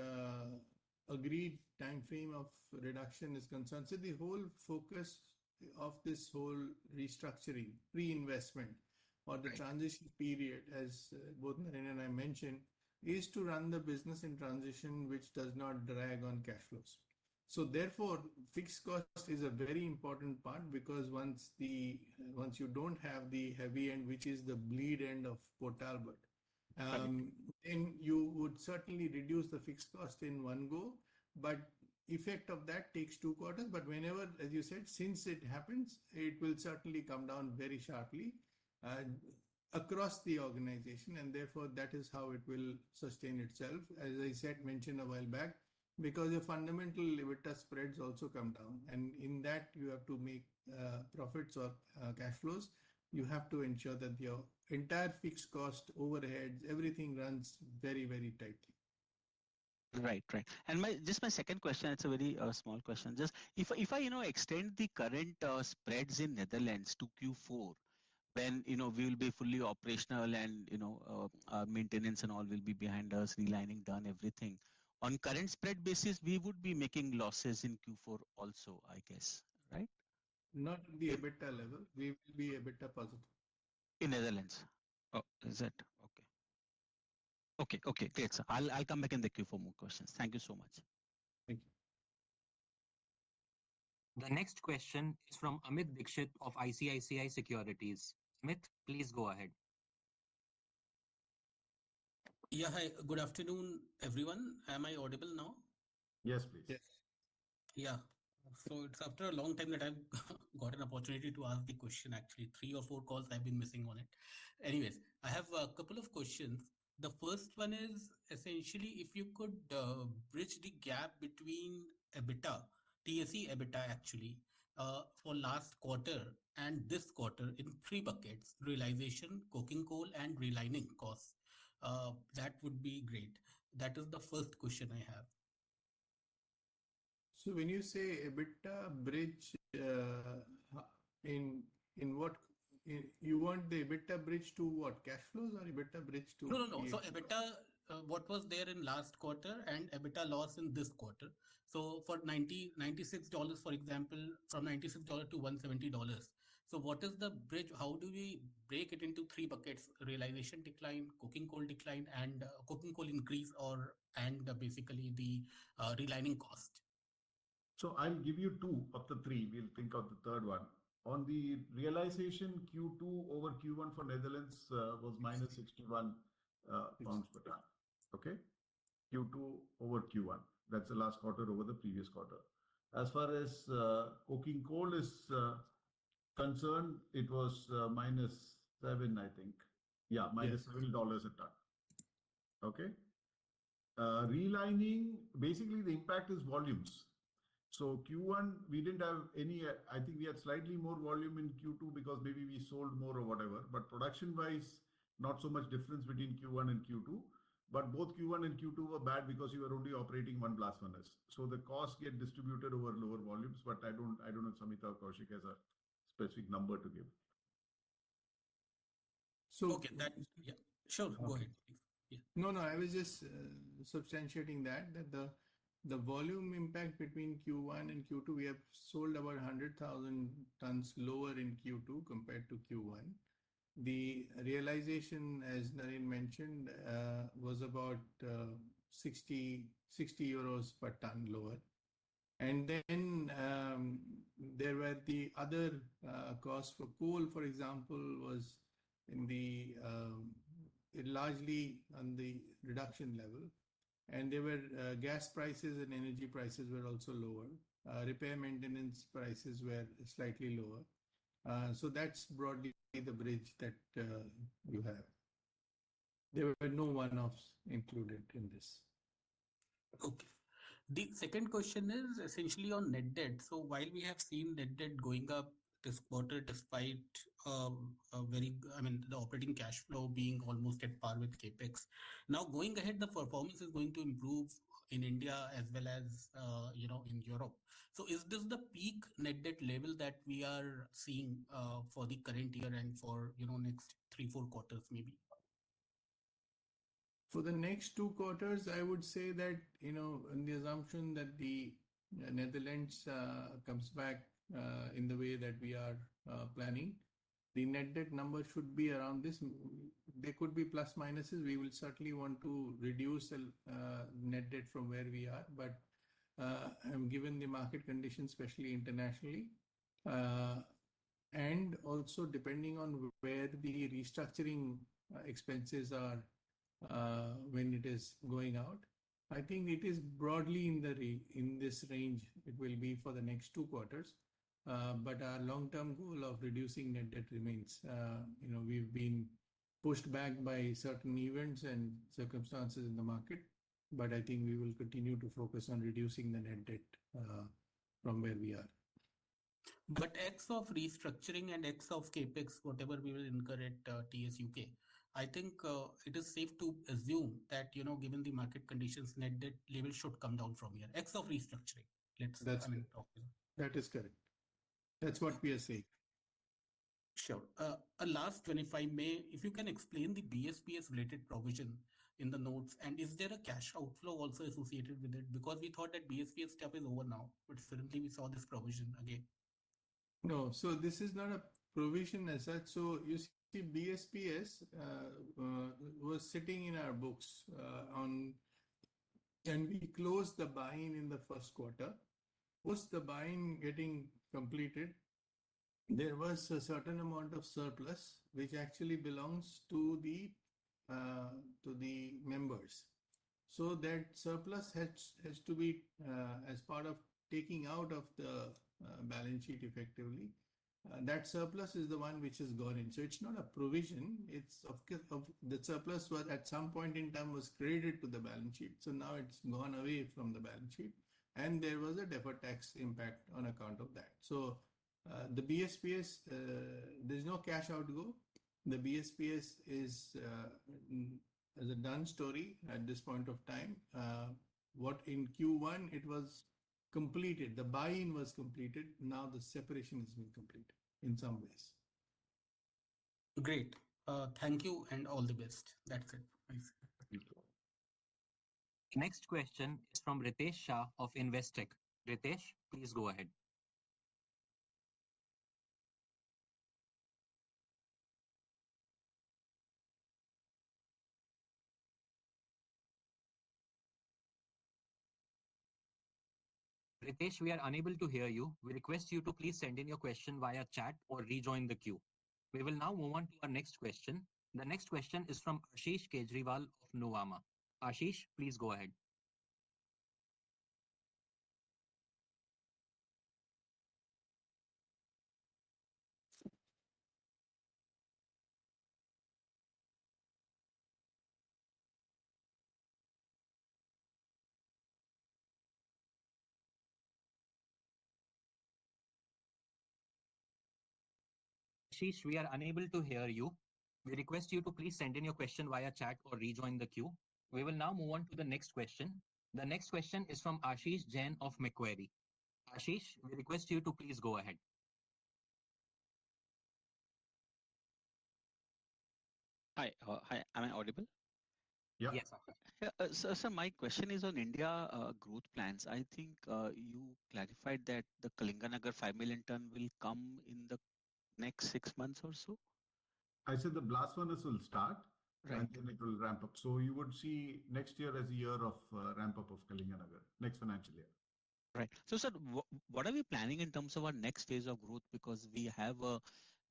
agreed time frame of reduction is concerned, so the whole focus of this whole restructuring, reinvestment- Right ...or the transition period, as both Naren and I mentioned, is to run the business in transition, which does not drag on cash flows. So therefore, fixed cost is a very important part because once you don't have the heavy end, which is the blast end of Port Talbot. Right... then you would certainly reduce the fixed cost in one go, but effect of that takes two quarters. But whenever, as you said, since it happens, it will certainly come down very sharply, across the organization, and therefore, that is how it will sustain itself, as I said, mentioned a while back. Because your fundamental EBITDA spreads also come down, and in that, you have to make, profits or cash flows. You have to ensure that your entire fixed cost, overheads, everything runs very, very tightly. Right. Right. And my just my second question, it's a very small question. Just if I, if I, you know, extend the current spreads in Netherlands to Q4, when, you know, we'll be fully operational and, you know, maintenance and all will be behind us, relining done, everything. On current spread basis, we would be making losses in Q4 also, I guess, right? Not at the EBITDA level. We will be EBITDA positive. In Netherlands? Oh, is it? Okay. Okay, okay, great, sir. I'll, I'll come back in the queue for more questions. Thank you so much. Thank you. The next question is from Amit Dixit of ICICI Securities. Amit, please go ahead. Yeah, hi. Good afternoon, everyone. Am I audible now? Yes, please. Yes. Yeah. So it's after a long time that I've got an opportunity to ask the question. Actually, three or four calls I've been missing on it. Anyways, I have a couple of questions. The first one is, essentially, if you could bridge the gap between EBITDA, TS EBITDA actually, for last quarter and this quarter in three buckets: realization, coking coal, and relining costs, that would be great. That is the first question I have. So when you say EBITDA bridge, in what—you want the EBITDA bridge to what? Cash flows or EBITDA bridge to- No, no, no. So EBITDA, what was there in last quarter and EBITDA loss in this quarter. So for $96, for example, from $96 to $170. So what is the bridge? How do we break it into three buckets: realization decline, coking coal decline, and coking coal increase or and basically the relining cost? I'll give you two of the three. We'll think of the third one. On the realization, Q2 over Q1 for Netherlands was -61 pounds per ton. Okay? Q2 over Q1. That's the last quarter over the previous quarter. As far as coking coal is concerned, it was -7 USD. I think. Yeah. Yes. -$7 a ton. Okay? Relining, basically the impact is volumes. So Q1, we didn't have any. I think we had slightly more volume in Q2 because maybe we sold more or whatever, but production-wise, not so much difference between Q1 and Q2. But both Q1 and Q2 were bad because you were only operating one blast furnace, so the costs get distributed over lower volumes. But I don't, I don't know, Samita or Koushik has a specific number to give. So- Okay, that is... Yeah, sure. Go ahead, yeah. No, no, I was just substantiating that the volume impact between Q1 and Q2, we have sold about 100,000 tons lower in Q2 compared to Q1. The realization, as Naren mentioned, was about sixty, sixty EUR per ton lower. And then, there were the other costs for coal, for example, was in the largely on the reduction level. And there were gas prices and energy prices were also lower. Repair and maintenance prices were slightly lower. So that's broadly the bridge that we have. There were no one-offs included in this. Okay. The second question is essentially on net debt. So while we have seen net debt going up this quarter, despite, I mean, the operating cash flow being almost at par with CapEx. Now, going ahead, the performance is going to improve in India as well as, you know, in Europe. So is this the peak net debt level that we are seeing for the current year and for, you know, next three, four quarters, maybe? For the next two quarters, I would say that, you know, on the assumption that the Netherlands comes back in the way that we are planning, the net debt number should be around this. There could be plus, minuses. We will certainly want to reduce the net debt from where we are. But given the market conditions, especially internationally and also depending on where the restructuring expenses are when it is going out, I think it is broadly in this range. It will be for the next two quarters. But our long-term goal of reducing net debt remains. You know, we've been pushed back by certain events and circumstances in the market, but I think we will continue to focus on reducing the net debt from where we are. But cost of restructuring and cost of CapEx, whatever we will incur at TSUK, I think it is safe to assume that, you know, given the market conditions, net debt level should come down from here. Cost of restructuring, let's- That is correct. That's what we are saying. Sure. And lastly, if I may, if you can explain the BSPS-related provision in the notes, and is there a cash outflow also associated with it? Because we thought that BSPS step is over now, but suddenly we saw this provision again. No, so this is not a provision as such. So you see, BSPS was sitting in our books. And we closed the buy-in in the first quarter. With the buy-in getting completed, there was a certain amount of surplus which actually belongs to the members. So that surplus has to be as part of taking out of the balance sheet effectively, that surplus is the one which is gone in. So it's not a provision, it's of course. The surplus was at some point in time credited to the balance sheet, so now it's gone away from the balance sheet, and there was a deferred tax impact on account of that. So the BSPS, there's no cash outgo. The BSPS is a done story at this point of time. What in Q1, it was completed. The buy-in was completed, now the separation has been completed in some ways. Great. Thank you, and all the best. That's it. Thanks. Thank you. Next question is from Ritesh Shah of Investec. Ritesh, please go ahead. Ritesh, we are unable to hear you. We request you to please send in your question via chat or rejoin the queue. We will now move on to our next question. The next question is from Ashish Kejriwal of Nuvama. Ashish, please go ahead. Ashish, we are unable to hear you. We request you to please send in your question via chat or rejoin the queue. We will now move on to the next question. The next question is from Ashish Jain of Macquarie. Ashish, we request you to please go ahead. Hi, hi. Am I audible? Yeah. Yes. So, sir, my question is on India growth plans. I think you clarified that the Kalinganagar 5 million ton will come in the next 6 months or so? I said the Blast Furnace will start- Right. And then it will ramp up. So you would see next year as a year of ramp-up of Kalinganagar, next financial year. Right. So, sir, what are we planning in terms of our next phase of growth? Because we have a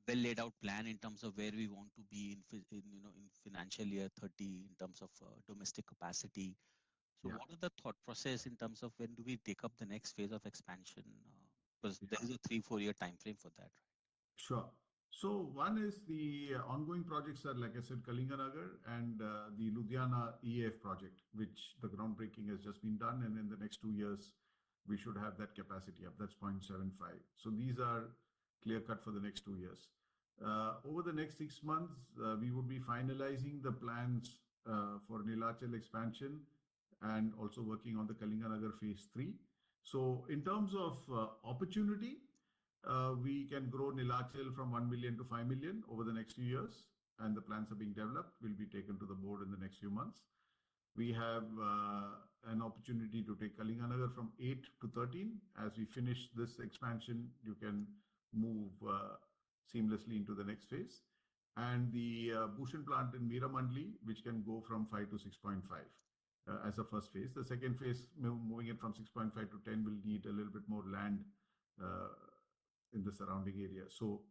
well-laid-out plan in terms of where we want to be in, you know, in financial year 30, in terms of domestic capacity. Yeah. What is the thought process in terms of when do we take up the next phase of expansion, because- Yeah... there is a 3- to 4-year timeframe for that. Sure. So one is the ongoing projects are, like I said, Kalinganagar and the Ludhiana EAF project, which the groundbreaking has just been done, and in the next 2 years, we should have that capacity up. That's 0.75. So these are clear-cut for the next 2 years. Over the next 6 months, we will be finalizing the plans for Neelachal expansion and also working on the Kalinganagar phase 3. So in terms of opportunity, we can grow Neelachal from 1 million to 5 million over the next few years, and the plans are being developed, will be taken to the board in the next few months. We have an opportunity to take Kalinganagar from 8 to 13. As we finish this expansion, you can move seamlessly into the next phase. And the Bhushan plant in Meramandali, which can go from 5 to 6.5 as a first phase. The second phase, moving it from 6.5 to 10, will need a little bit more land in the surrounding area. So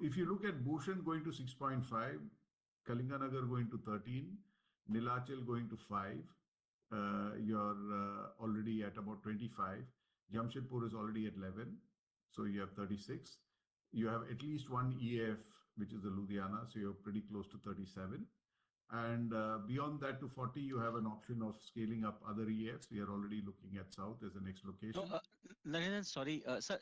if you look at Bhushan going to 6.5, Kalinganagar going to 13, Neelachal going to 5, you're already at about 25. Jamshedpur is already at 11, so you have 36. You have at least one EF, which is the Ludhiana, so you're pretty close to 37. And beyond that to 40, you have an option of scaling up other EFs. We are already looking at south as the next location. No, Naren, sorry, sir,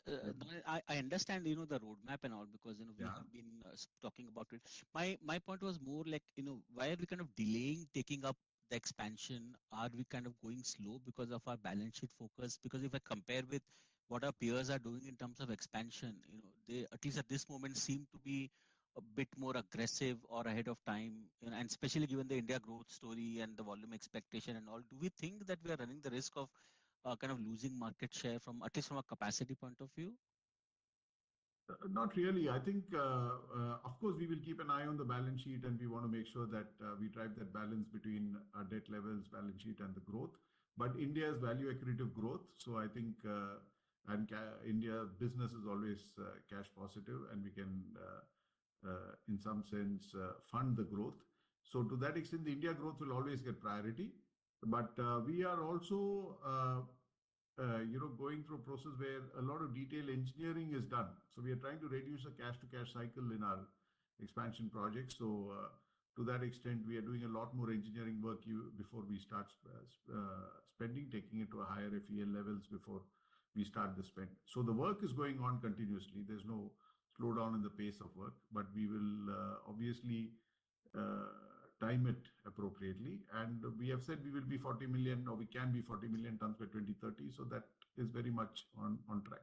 I understand, you know, the roadmap and all because, you know- Yeah... we have been talking about it. My, my point was more like, you know, why are we kind of delaying taking up the expansion? Are we kind of going slow because of our balance sheet focus? Because if I compare with what our peers are doing in terms of expansion, you know, they, at least at this moment, seem to be a bit more aggressive or ahead of time, you know, and especially given the India growth story and the volume expectation and all. Do we think that we are running the risk of kind of losing market share from, at least from a capacity point of view? Not really. I think, of course, we will keep an eye on the balance sheet, and we wanna make sure that we drive that balance between our debt levels, balance sheet, and the growth. But India is value accretive growth, so I think India business is always cash positive, and we can, in some sense, fund the growth. So to that extent, the India growth will always get priority. But we are also, you know, going through a process where a lot of detail engineering is done. So we are trying to reduce the cash-to-cash cycle in our expansion projects. So to that extent, we are doing a lot more engineering work before we start spending, taking it to a higher FEL levels before we start the spend. So the work is going on continuously. There's no slowdown in the pace of work, but we will obviously time it appropriately. And we have said we will be 40 million or we can be 40 million tons by 2030, so that is very much on track.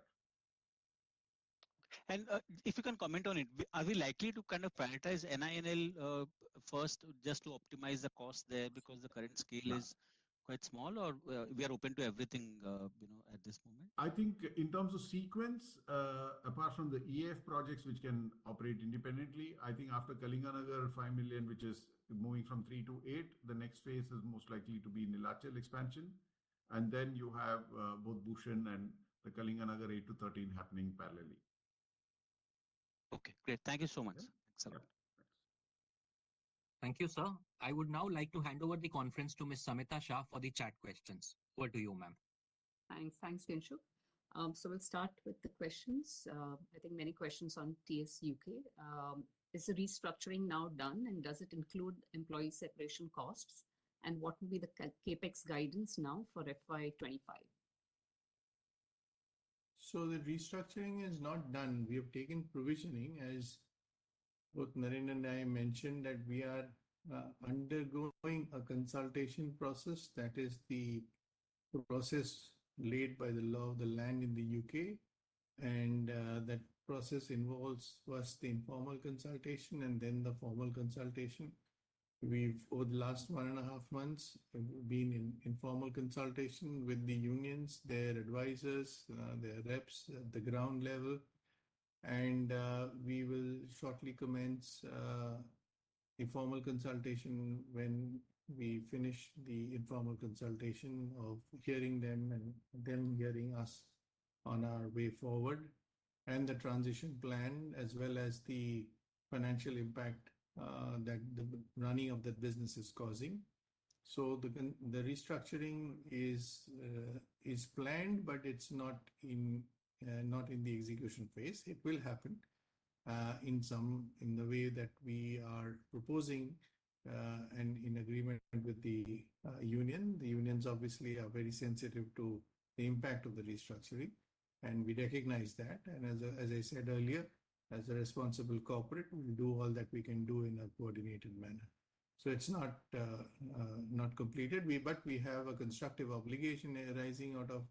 If you can comment on it, are we likely to kind of prioritize NINL first just to optimize the cost there? Because the current scale- Yeah... is quite small, or, we are open to everything, you know, at this moment? I think in terms of sequence, apart from the EAF projects, which can operate independently, I think after Kalinganagar 5 million, which is moving from 3-8, the next phase is most likely to be Nilachal expansion, and then you have both Bhushan and the Kalinganagar 8-13 happening parallelly. Okay, great. Thank you so much. Yeah. Excellent. Thanks. Thank you, sir. I would now like to hand over the conference to Ms. Samita Shah for the chat questions. Over to you, ma'am. Thanks. Thanks, Henshu. So we'll start with the questions. I think many questions on TSUK. Is the restructuring now done, and does it include employee separation costs? And what will be the CapEx guidance now for FY 25? So the restructuring is not done. We have taken provisioning, as both Naren and I mentioned, that we are undergoing a consultation process. That is the process laid by the law of the land in the UK, and that process involves first the informal consultation and then the formal consultation. We've, over the last one and a half months, been in informal consultation with the unions, their advisors, their reps at the ground level, and we will shortly commence informal consultation when we finish the informal consultation of hearing them and them hearing us on our way forward, and the transition plan, as well as the financial impact that the running of that business is causing. So the restructuring is planned, but it's not in the execution phase. It will happen in some... In the way that we are proposing, and in agreement with the union. The unions obviously are very sensitive to the impact of the restructuring, and we recognize that. And as I said earlier, as a responsible corporate, we'll do all that we can do in a coordinated manner. So it's not not completed, but we have a constructive obligation arising out of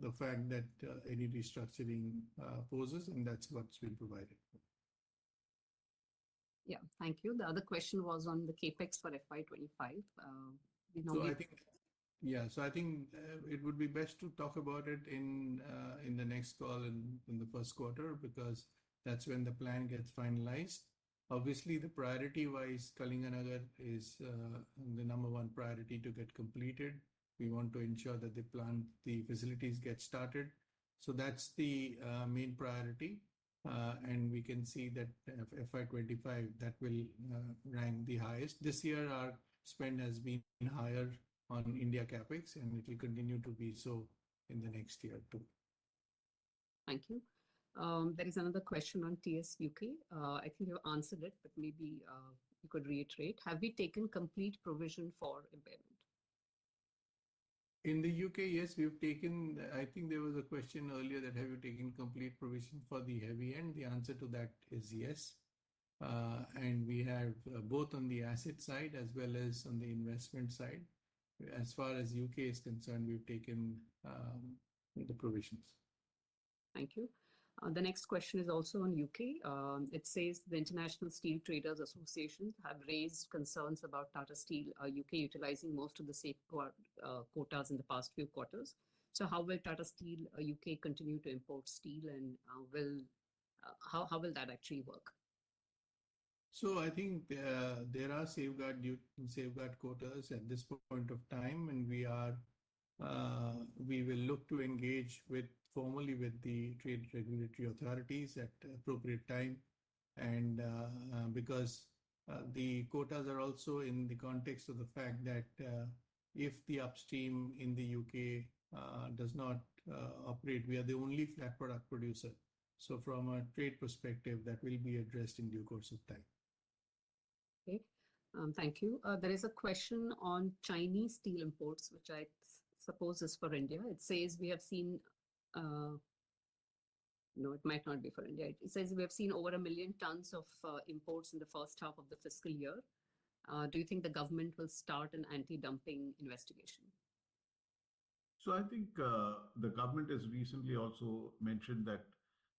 the fact that any restructuring poses, and that's what's been provided. Yeah. Thank you. The other question was on the CapEx for FY 25, you know- So I think... Yeah, so I think, it would be best to talk about it in the next call, in the first quarter, because that's when the plan gets finalized. Obviously, the priority-wise, Kalinganagar is the number one priority to get completed. We want to ensure that the plant, the facilities get started. So that's the main priority, and we can see that FY 2025, that will rank the highest. This year, our spend has been higher on India CapEx, and it will continue to be so in the next year, too. Thank you. There is another question on TSUK. I think you answered it, but maybe you could reiterate. Have we taken complete provision for impairment? In the U.K., yes, we have taken... I think there was a question earlier that, Have you taken complete provision for the heavy end? The answer to that is yes, and we have both on the asset side as well as on the investment side. As far as U.K. is concerned, we've taken the provisions.... Thank you. The next question is also on UK. It says the International Steel Trade Association have raised concerns about Tata Steel UK utilizing most of the safeguard quotas in the past few quarters. So how will Tata Steel UK continue to import steel, and how will that actually work? So I think there are safeguard quotas at this point of time, and we will look to engage formally with the trade regulatory authorities at appropriate time. And because the quotas are also in the context of the fact that if the upstream in the UK does not operate, we are the only flat product producer. So from a trade perspective, that will be addressed in due course of time. Okay. Thank you. There is a question on Chinese steel imports, which I suppose is for India. It says we have seen... No, it might not be for India. It says we have seen over 1 million tons of imports in the first half of the fiscal year. Do you think the government will start an anti-dumping investigation? So I think, the government has recently also mentioned that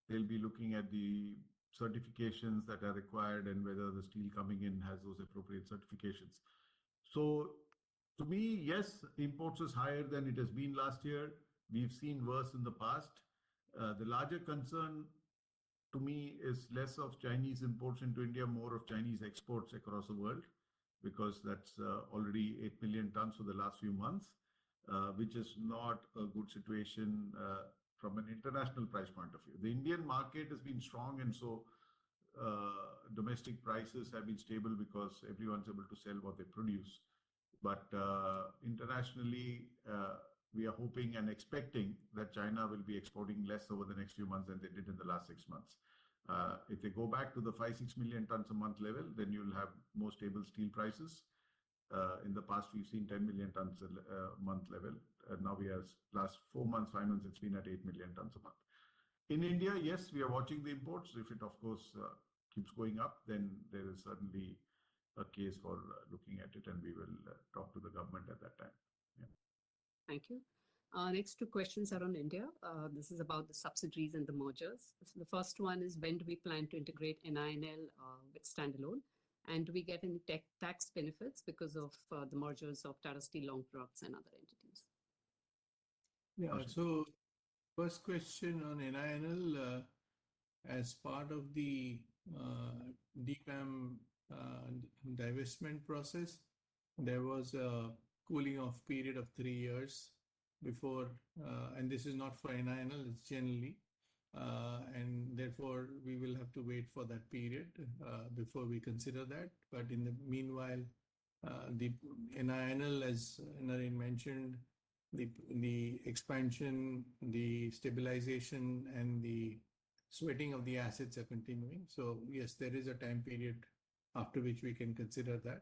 they'll be looking at the certifications that are required and whether the steel coming in has those appropriate certifications. So to me, yes, imports is higher than it has been last year. We've seen worse in the past. The larger concern to me is less of Chinese imports into India, more of Chinese exports across the world, because that's, already 8 million tonnes for the last few months, which is not a good situation, from an international price point of view. The Indian market has been strong, and so, domestic prices have been stable because everyone's able to sell what they produce. But, internationally, we are hoping and expecting that China will be exporting less over the next few months than they did in the last six months. If they go back to the 5-6 million tonnes a month level, then you'll have more stable steel prices. In the past, we've seen 10 million tonnes a month level, and now we have last 4 months, 5 months, it's been at 8 million tonnes a month. In India, yes, we are watching the imports. If it, of course, keeps going up, then there is certainly a case for looking at it, and we will talk to the government at that time. Yeah. Thank you. Next two questions are on India. This is about the subsidies and the mergers. The first one is, when do we plan to integrate NINL with standalone? And do we get any tax benefits because of the mergers of Tata Steel Long Products and other entities? Yeah. So first question on NINL, as part of the demerger divestment process, there was a cooling off period of three years before... And this is not for NINL, it's generally. And therefore, we will have to wait for that period, before we consider that. But in the meanwhile, the NINL, as Naren mentioned, the expansion, the stabilization, and the sweating of the assets are continuing. So yes, there is a time period after which we can consider that.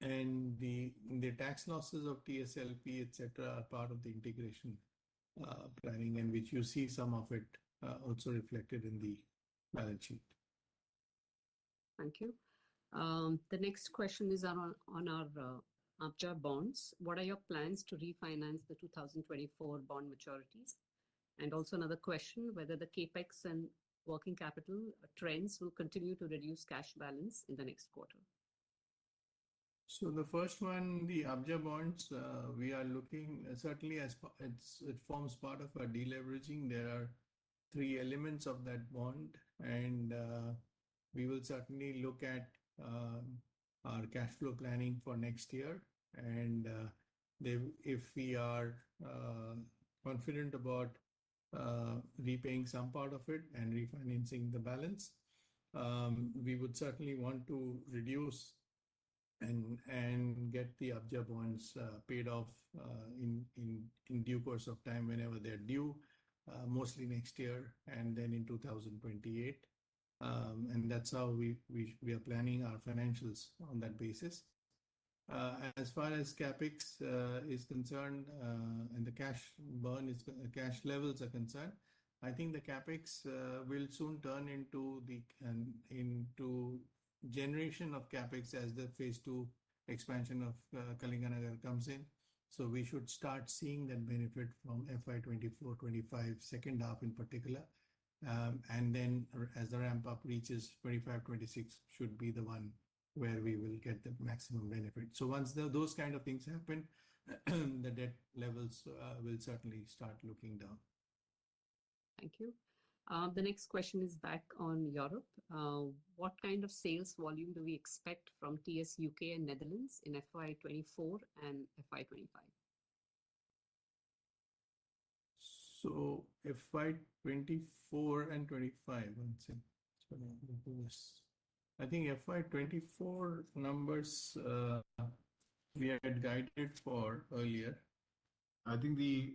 And the tax losses of TSLP, et cetera, are part of the integration planning, and which you see some of it also reflected in the balance sheet. Thank you. The next question is on our Abja bonds. What are your plans to refinance the 2024 bond maturities? And also another question, whether the CapEx and working capital trends will continue to reduce cash balance in the next quarter. So the first one, the Abja bonds, we are looking certainly as part—it's, it forms part of our de-leveraging. There are three elements of that bond, and we will certainly look at our cash flow planning for next year. And then if we are confident about repaying some part of it and refinancing the balance, we would certainly want to reduce and get the Abja bonds paid off in due course of time, whenever they're due, mostly next year and then in 2028. And that's how we are planning our financials on that basis. As far as CapEx is concerned, and the cash burn is... Cash levels are concerned, I think the CapEx will soon turn into generation of CapEx as the phase two expansion of Kalinganagar comes in. So we should start seeing that benefit from FY 2024-25 second half in particular. And then as the ramp-up reaches, 2025-26 should be the one where we will get the maximum benefit. So once those kind of things happen, the debt levels will certainly start looking down. Thank you. The next question is back on Europe. What kind of sales volume do we expect from TS UK and Netherlands in FY 2024 and FY 2025? FY 2024 and 2025, one second. Let me do this. I think FY 2024 numbers, we had guided for earlier. I think the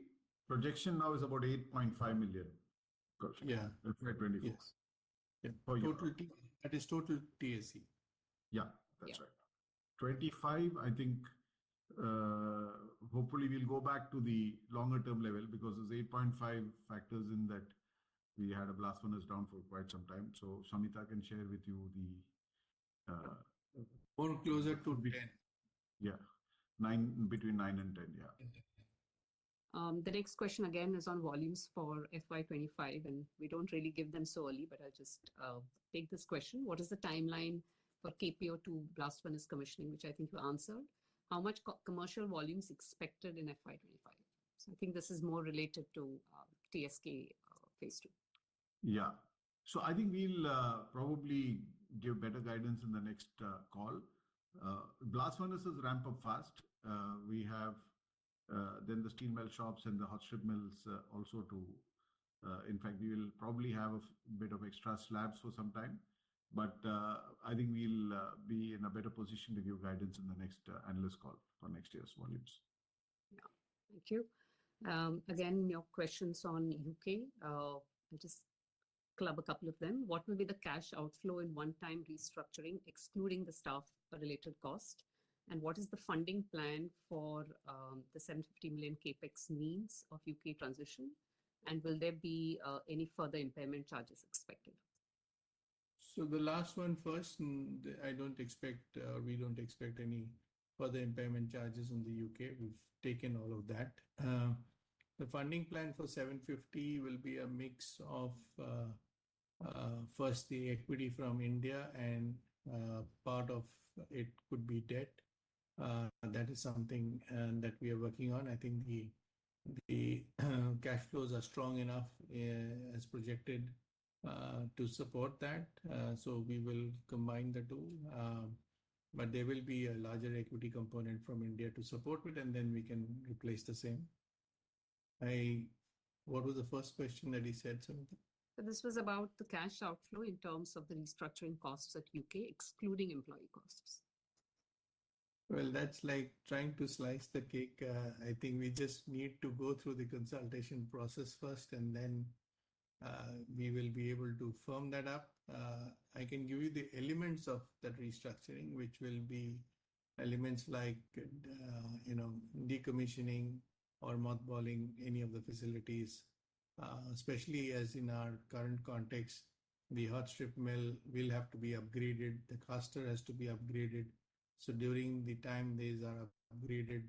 projection now is about 8.5 million. Got you. Yeah. FY twenty-four. Yes. Yeah. That is total TSE. Yeah, that's right. Yeah. 25, I think, hopefully we'll go back to the longer-term level because there's 8.5 factors in that we had a blast furnace down for quite some time. So Samita can share with you more closer to 10. Yeah, 9, between 9 and 10. Yeah. The next question again is on volumes for FY 25, and we don't really give them so early, but I'll just take this question: What is the timeline for KPO 2 blast furnace commissioning? Which I think you answered. How much commercial volume is expected in FY 25? So I think this is more related to TSK phase 2. Yeah. So I think we'll probably give better guidance in the next call. Blast Furnaces ramp up fast. We have then the steel melting shops and the hot strip mills also to... In fact, we will probably have a bit of extra slabs for some time, but I think we'll be in a better position to give guidance in the next analyst call for next year's volumes. Yeah. Thank you. Again, your questions on UK. I'll just club a couple of them. What will be the cash outflow in one-time restructuring, excluding the staff related cost? And what is the funding plan for the 75 million CapEx needs of UK transition? And will there be any further impairment charges expected? So the last one first, and I don't expect, we don't expect any further impairment charges in the UK. We've taken all of that. The funding plan for 750 million will be a mix of, first, the equity from India and, part of it could be debt. That is something, that we are working on. I think the cash flows are strong enough, as projected, to support that. So we will combine the two, but there will be a larger equity component from India to support it, and then we can replace the same. I - What was the first question that he said something? This was about the cash outflow in terms of the restructuring costs at U.K., excluding employee costs. Well, that's like trying to slice the cake. I think we just need to go through the consultation process first, and then we will be able to firm that up. I can give you the elements of that restructuring, which will be elements like, you know, decommissioning or mothballing any of the facilities, especially as in our current context, the hot strip mill will have to be upgraded, the caster has to be upgraded. So during the time these are upgraded,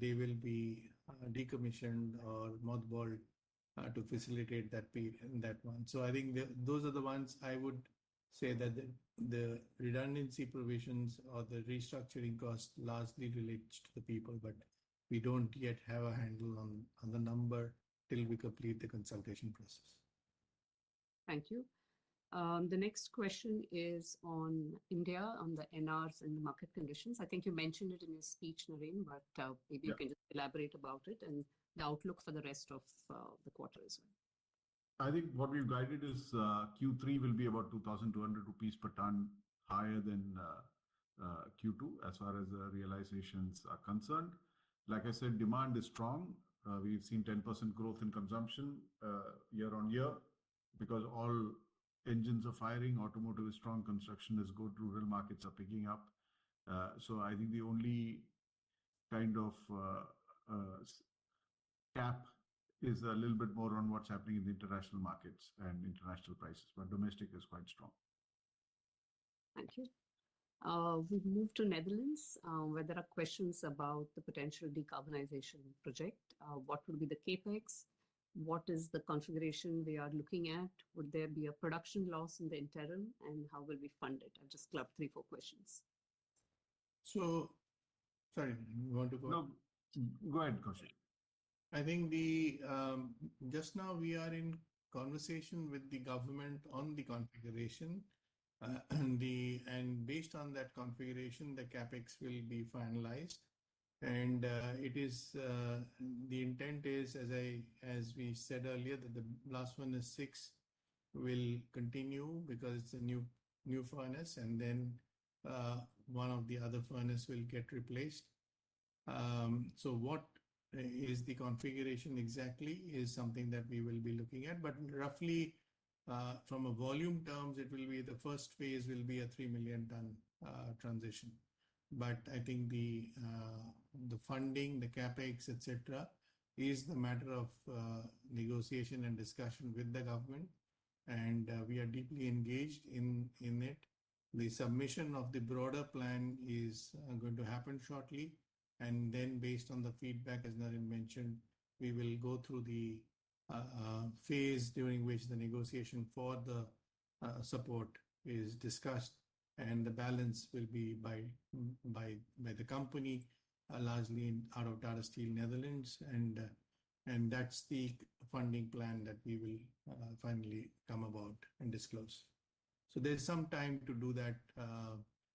they will be decommissioned or mothballed to facilitate that one. So I think those are the ones I would say that the redundancy provisions or the restructuring costs largely relates to the people, but we don't yet have a handle on the number till we complete the consultation process. Thank you. The next question is on India, on the NRs and the market conditions. I think you mentioned it in your speech, Naren, but, Yeah... maybe you can just elaborate about it and the outlook for the rest of the quarter as well. I think what we've guided is, Q3 will be about 2,200 rupees per tonne higher than, Q2, as far as, realizations are concerned. Like I said, demand is strong. We've seen 10% growth in consumption, year-on-year, because all engines are firing, automotive is strong, construction is good, rural markets are picking up. So I think the only kind of, cap is a little bit more on what's happening in the international markets and international prices, but domestic is quite strong. Thank you. We've moved to Netherlands, where there are questions about the potential decarbonization project. What will be the CapEx? What is the configuration we are looking at? Would there be a production loss in the interim, and how will we fund it? I'll just club three, four questions. So... Sorry, you want to go? No. Go ahead, Koushik. I think just now we are in conversation with the government on the configuration. Based on that configuration, the CapEx will be finalized. It is the intent is, as we said earlier, that the Blast Furnace 6 will continue because it's a new, new furnace, and then one of the other furnace will get replaced. So, what is the configuration exactly is something that we will be looking at. But roughly, from a volume terms, it will be the first phase will be a 3 million tonne transition. But I think the funding, the CapEx, et cetera, is the matter of negotiation and discussion with the government, and we are deeply engaged in it. The submission of the broader plan is going to happen shortly, and then based on the feedback, as Naren mentioned, we will go through the phase during which the negotiation for the support is discussed, and the balance will be by the company, largely out of Tata Steel Netherlands, and that's the funding plan that we will finally come about and disclose. So there's some time to do that.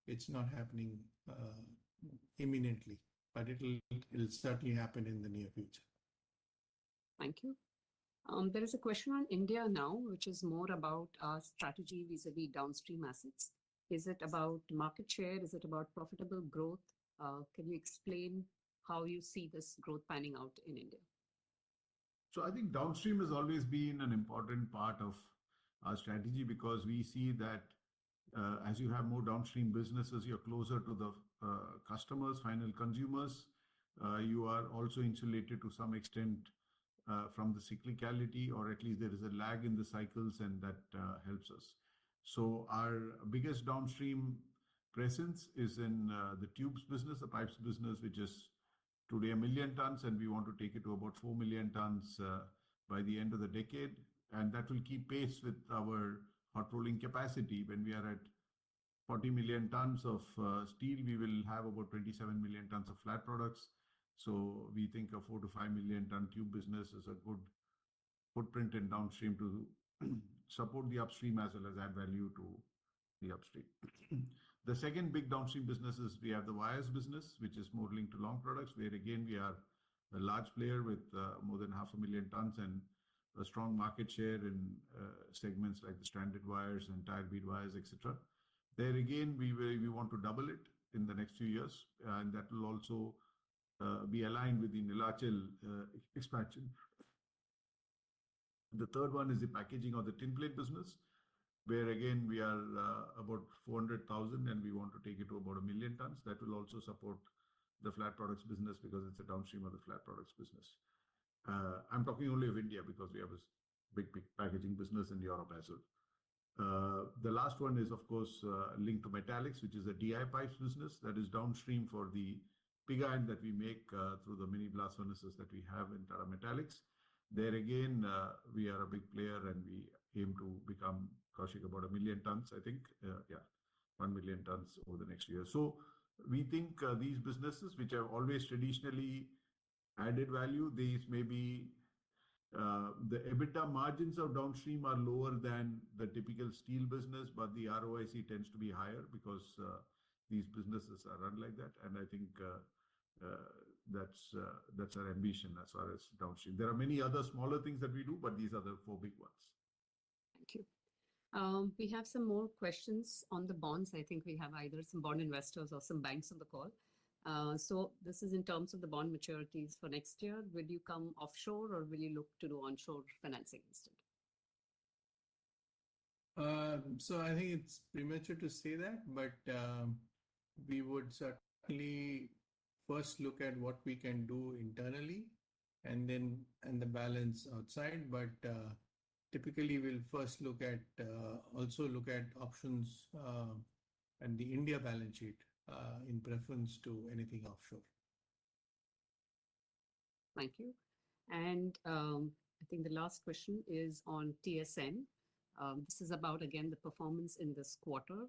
It's not happening imminently, but it'll certainly happen in the near future. Thank you. There is a question on India now, which is more about, strategy vis-a-vis downstream assets. Is it about market share? Is it about profitable growth? Can you explain how you see this growth panning out in India? So I think downstream has always been an important part of our strategy because we see that, as you have more downstream businesses, you're closer to the, customers, final consumers. You are also insulated to some extent, from the cyclicality, or at least there is a lag in the cycles, and that, helps us. So our biggest downstream presence is in, the tubes business, the pipes business, which is today 1 million tons, and we want to take it to about 4 million tons, by the end of the decade. And that will keep pace with our hot rolling capacity. When we are at 40 million tons of steel, we will have about 27 million tons of flat products, so we think a 4-5 million ton tube business is a good footprint in downstream to support the upstream as well as add value to the upstream. The second big downstream business is we have the wires business, which is modeling to long products, where, again, we are a large player with more than 0.5 million tons and a strong market share in segments like the stranded wires and tire bead wires, et cetera. There again, we will—we want to double it in the next few years, and that will also be aligned with the Nilachal expansion. The third one is the packaging or the tinplate business, where again, we are about 400,000, and we want to take it to about 1 million tons. That will also support the flat products business because it's a downstream of the flat products business. I'm talking only of India because we have a big, big packaging business in Europe as well. The last one is, of course, linked to metallics, which is a DI pipes business that is downstream for the pig iron that we make through the mini blast furnaces that we have in Tata Metaliks. There again, we are a big player, and we aim to become, Koushik, about 1 million tons, I think. Yeah, 1 million tons over the next year. So we think these businesses, which have always traditionally added value, these may be... The EBITDA margins of downstream are lower than the typical steel business, but the ROIC tends to be higher because these businesses are run like that, and I think that's our ambition as far as downstream. There are many other smaller things that we do, but these are the four big ones. Thank you. We have some more questions on the bonds. I think we have either some bond investors or some banks on the call. So this is in terms of the bond maturities for next year. Will you come offshore, or will you look to do onshore financing instead? So I think it's premature to say that, but, we would certainly first look at what we can do internally and then, and the balance outside. But, typically, we'll first look at, also look at options, and the India balance sheet, in preference to anything offshore. Thank you. And, I think the last question is on TSN. This is about, again, the performance in this quarter,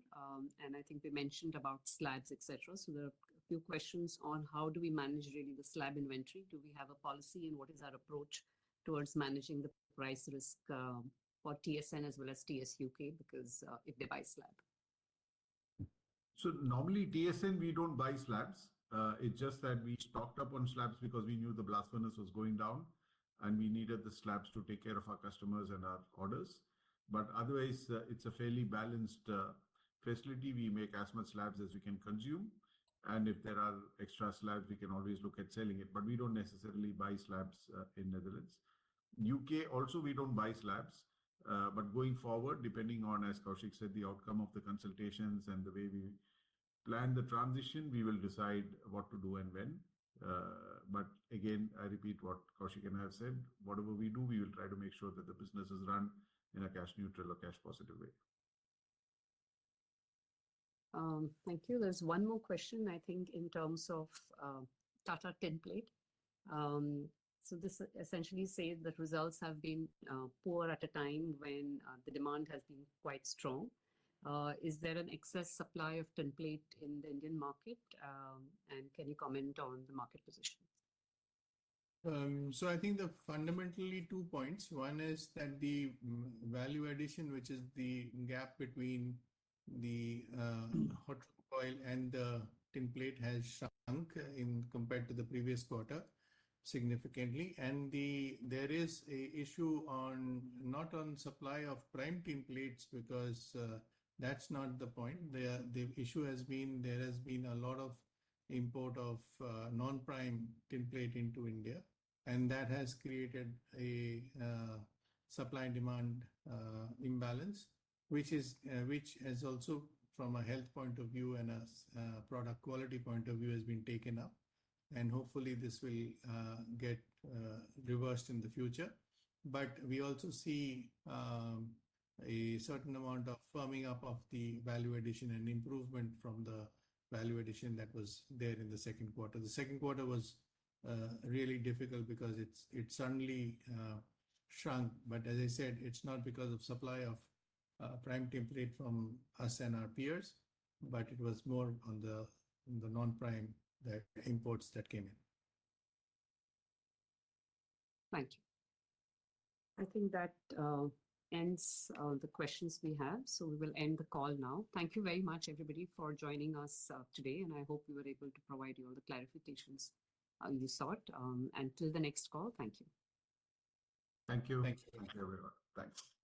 and I think we mentioned about slabs, et cetera. So there are a few questions on how do we manage really the slab inventory? Do we have a policy, and what is our approach towards managing the price risk, for TSN as well as TSUK because they buy slab? So normally, TSN, we don't buy slabs. It's just that we stocked up on slabs because we knew the blast furnace was going down, and we needed the slabs to take care of our customers and our orders. But otherwise, it's a fairly balanced facility. We make as much slabs as we can consume, and if there are extra slabs, we can always look at selling it, but we don't necessarily buy slabs in Netherlands. UK also, we don't buy slabs. But going forward, depending on, as Koushik said, the outcome of the consultations and the way we plan the transition, we will decide what to do and when. But again, I repeat what Koushik and I have said, whatever we do, we will try to make sure that the business is run in a cash neutral or cash positive way. Thank you. There's one more question, I think, in terms of Tata Tinplate. So this essentially says that results have been poor at a time when the demand has been quite strong. Is there an excess supply of tinplate in the Indian market? And can you comment on the market position? I think there are fundamentally two points. One is that the value addition, which is the gap between the hot rolled coil and the tinplate, has shrunk compared to the previous quarter significantly. There is an issue, not on supply of prime tinplate, because that's not the point. The issue has been there has been a lot of import of non-prime tinplate into India, and that has created a supply and demand imbalance, which has also, from a health point of view and a product quality point of view, been taken up, and hopefully, this will get reversed in the future. We also see a certain amount of firming up of the value addition and improvement from the value addition that was there in the second quarter. The second quarter was really difficult because it suddenly shrunk. But as I said, it's not because of supply of prime tinplate from us and our peers, but it was more on the non-prime, the imports that came in. Thank you. I think that ends the questions we have, so we will end the call now. Thank you very much, everybody, for joining us today, and I hope we were able to provide you all the clarifications you sought. Until the next call, thank you. Thank you. Thank you. Thank you, everyone. Thanks.